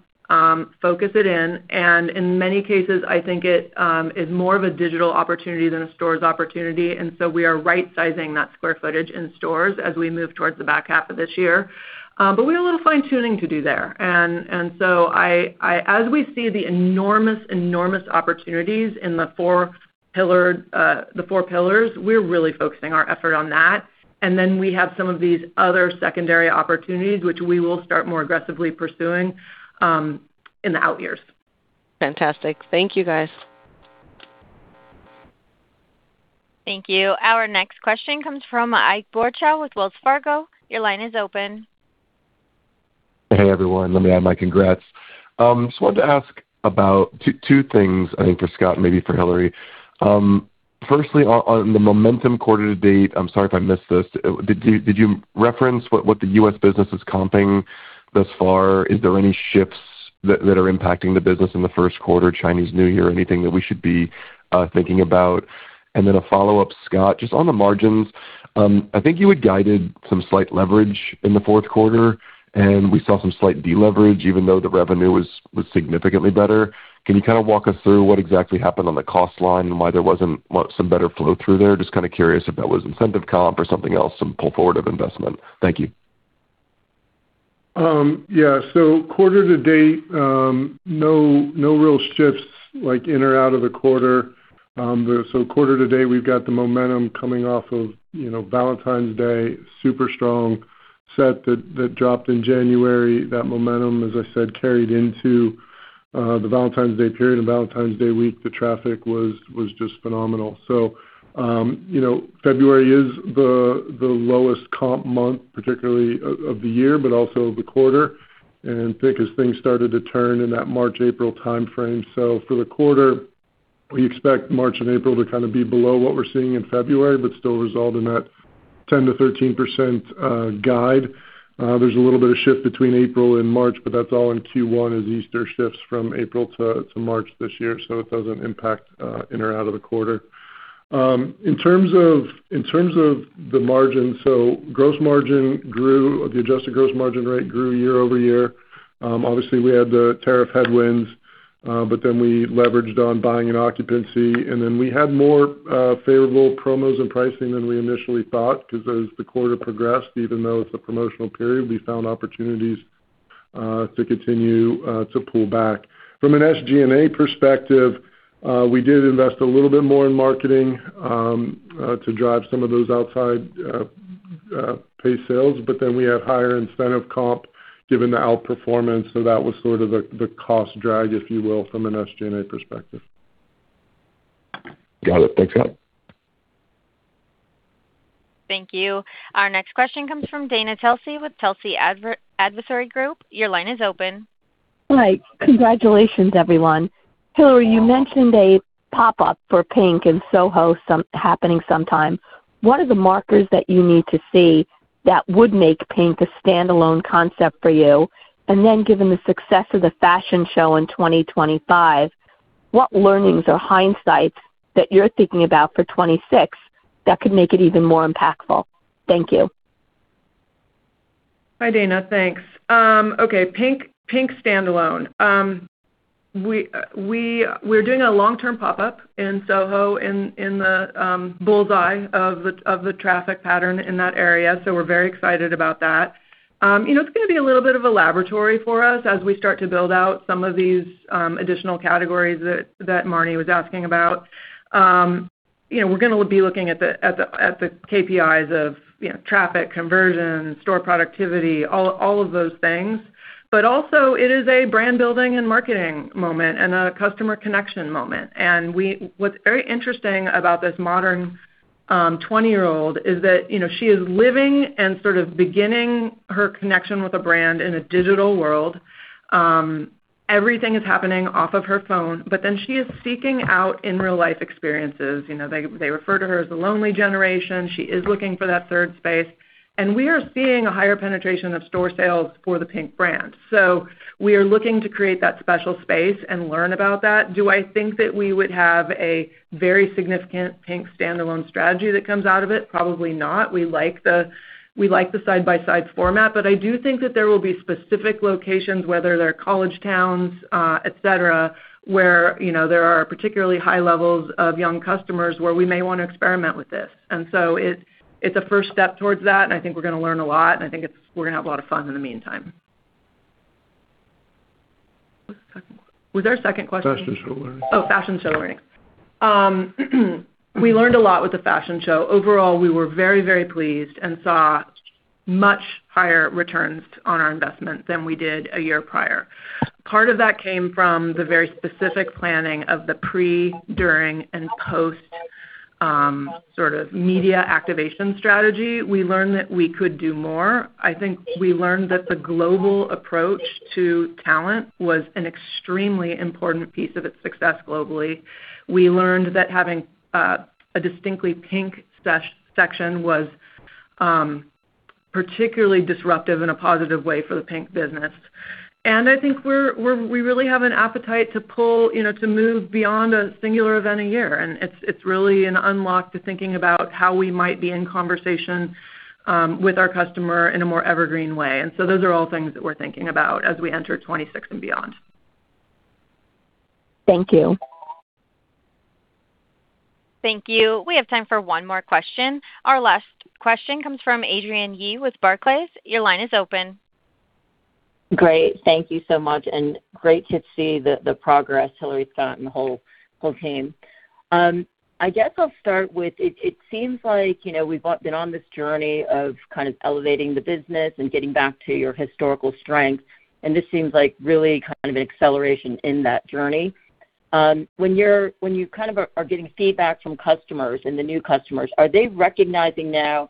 focus it in, and in many cases, I think it is more of a digital opportunity than a stores opportunity. We are right-sizing that square footage in stores as we move towards the back half of this year. but we have a little fine-tuning to do there. As we see the enormous opportunities in the four pillar, the four pillars, we're really focusing our effort on that. we have some of these other secondary opportunities, which we will start more aggressively pursuing in the out years. Fantastic. Thank you, guys. Thank you. Our next question comes from Ike Boruchow with Wells Fargo. Your line is open. Hey, everyone. Let me add my congrats. Just wanted to ask about two things, I think, for Scott, maybe for Hillary. Firstly, on the momentum quarter to date, I'm sorry if I missed this. Did you reference what the U.S. business is comping thus far? Is there any shifts that are impacting the business in the Q1, Chinese New Year, anything that we should be thinking about? A follow-up, Scott, just on the margins. I think you had guided some slight leverage in the Q4, and we saw some slight deleverage, even though the revenue was significantly better. Can you kinda walk us through what exactly happened on the cost line and why there wasn't some better flow through there? Just kinda curious if that was incentive comp or something else, some pull forward of investment. Thank you. Yeah. Quarter to date, no real shifts like in or out of the quarter. Quarter to date, we've got the momentum coming off of, you know, Valentine's Day, super strong set that dropped in January. That momentum, as I said, carried into the Valentine's Day period. In Valentine's Day week, the traffic was just phenomenal. You know, February is the lowest comp month particularly of the year, but also the quarter, and I think as things started to turn in that March-April timeframe. For the quarter, we expect March and April to kinda be below what we're seeing in February, but still resolve in that 10%-13% guide. There's a little bit of shift between April and March. That's all in Q1 as Easter shifts from April to March this year, it doesn't impact in or out of the quarter. In terms of the margin, the adjusted gross margin rate grew year-over-year. Obviously, we had the tariff headwinds, then we leveraged on buying and occupancy, then we had more favorable promos and pricing than we initially thought because as the quarter progressed, even though it's a promotional period, we found opportunities to continue to pull back. From an SG&A perspective, we did invest a little bit more in marketing to drive some of those outside pay sales, then we have higher incentive comp given the outperformance. That was sort of the cost drag, if you will, from an SG&A perspective. Got it. Thanks a lot. Thank you. Our next question comes from Dana Telsey with Telsey Advisory Group. Your line is open. Hi. Congratulations, everyone. Hillary, you mentioned a pop-up for PINK in SoHo happening sometime. What are the markers that you need to see that would make PINK a standalone concept for you? Given the success of the fashion show in 2025, what learnings or hindsights that you're thinking about for 2026 that could make it even more impactful? Thank you. Hi, Dana. Thanks. Okay, PINK standalone. We're doing a long-term pop-up in SoHo in the bull's eye of the traffic pattern in that area, so we're very excited about that. You know, it's gonna be a little bit of a laboratory for us as we start to build out some of these additional categories that Marni was asking about. You know, we're gonna be looking at the KPIs of, you know, traffic, conversion, store productivity, all of those things. It is a brand-building and marketing moment and a customer connection moment. What's very interesting about this modern 20-year-old is that, you know, she is living and sort of beginning her connection with a brand in a digital world. Everything is happening off of her phone, she is seeking out in real-life experiences. You know, they refer to her as the lonely generation. She is looking for that third space. We are seeing a higher penetration of store sales for the PINK brand. We are looking to create that special space and learn about that. Do I think that we would have a very significant PINK standalone strategy that comes out of it? Probably not. We like the side-by-side format. I do think that there will be specific locations, whether they're college towns, et cetera, where, you know, there are particularly high levels of young customers where we may wanna experiment with this. It's a first step towards that, and I think we're gonna learn a lot, and I think we're gonna have a lot of fun in the meantime. Was there a second question? Fashion show learnings. Fashion show learnings. We learned a lot with the fashion show. Overall, we were very pleased and saw much higher returns on our investments than we did a year prior. Part of that came from the very specific planning of the pre, during, and post sort of media activation strategy. We learned that we could do more. I think we learned that the global approach to talent was an extremely important piece of its success globally. We learned that having a distinctly PINK section was particularly disruptive in a positive way for the PINK business. I think we really have an appetite to pull, you know, to move beyond a singular event a year, and it's really an unlock to thinking about how we might be in conversation with our customer in a more evergreen way. Those are all things that we're thinking about as we enter 2026 and beyond. Thank you. Thank you. We have time for one more question. Our last question comes from Adrienne Yih with Barclays. Your line is open. Great. Thank you so much, and great to see the progress Hillary's got and the whole team. I guess I'll start with it seems like, you know, we've all been on this journey of kind of elevating the business and getting back to your historical strength, and this seems like really kind of an acceleration in that journey. When you kind of are getting feedback from customers and the new customers, are they recognizing now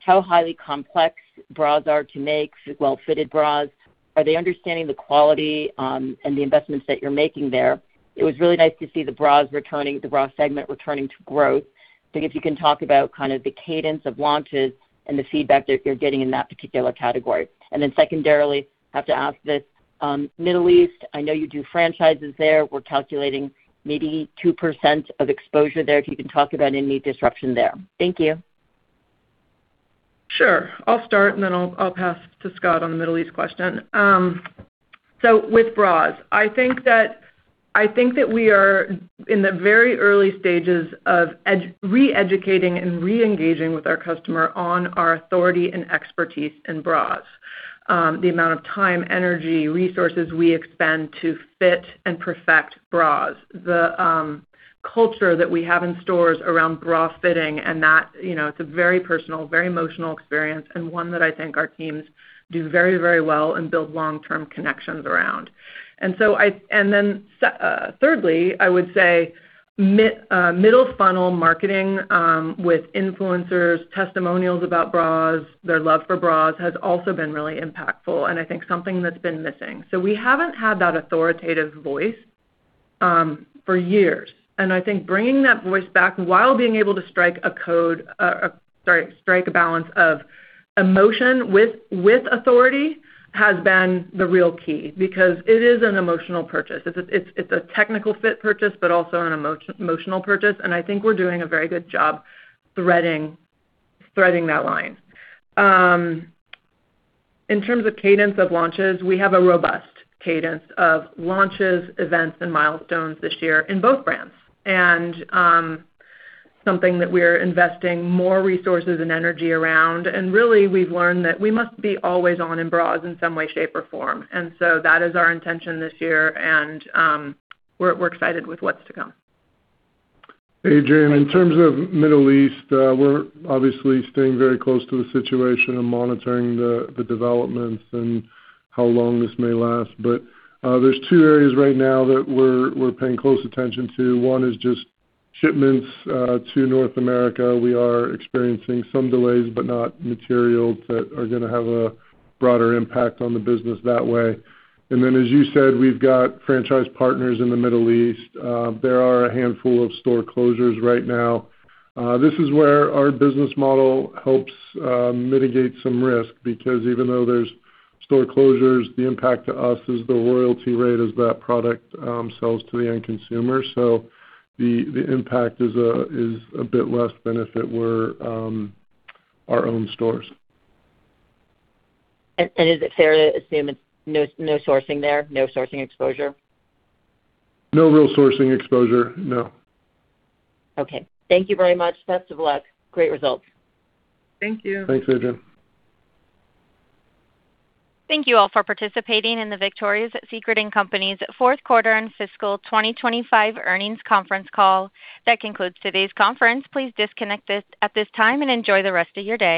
how highly complex bras are to make, well-fitted bras? Are they understanding the quality, and the investments that you're making there? It was really nice to see the bra segment returning to growth. I think if you can talk about kind of the cadence of launches and the feedback that you're getting in that particular category. Then secondarily, have to ask this, Middle East, I know you do franchises there. We're calculating maybe 2% of exposure there, if you can talk about any disruption there. Thank you. Sure. I'll start, then I'll pass to Scott on the Middle East question. With bras, I think that we are in the very early stages of re-educating and re-engaging with our customer on our authority and expertise in bras. The amount of time, energy, resources we expend to fit and perfect bras. The culture that we have in stores around bra fitting and that, you know, it's a very personal, very emotional experience and one that I think our teams do very, very well and build long-term connections around. Thirdly, I would say middle funnel marketing, with influencers, testimonials about bras, their love for bras, has also been really impactful and I think something that's been missing. We haven't had that authoritative voice for years. I think bringing that voice back while being able to strike a balance of emotion with authority has been the real key because it is an emotional purchase. It's a technical fit purchase, but also an emotional purchase, and I think we're doing a very good job threading that line. In terms of cadence of launches, we have a robust cadence of launches, events, and milestones this year in both brands. Something that we're investing more resources and energy around, and really we've learned that we must be always on in bras in some way, shape, or form. That is our intention this year, and we're excited with what's to come. Adrienne, in terms of Middle East, we're obviously staying very close to the situation and monitoring the developments and how long this may last. There's two areas right now that we're paying close attention to. One is just shipments to North America. We are experiencing some delays, but not material that are gonna have a broader impact on the business that way. As you said, we've got franchise partners in the Middle East. There are a handful of store closures right now. This is where our business model helps mitigate some risk because even though there's store closures, the impact to us is the royalty rate as that product sells to the end consumer. The impact is a bit less than if it were our own stores. Is it fair to assume it's no sourcing there? No sourcing exposure? No real sourcing exposure, no. Okay. Thank you very much. Best of luck. Great results. Thank you. Thanks, Adrienne. Thank you all for participating in the Victoria's Secret & Company's Q4 and fiscal 2025 earnings conference call. That concludes today's conference. Please disconnect at this time and enjoy the rest of your day.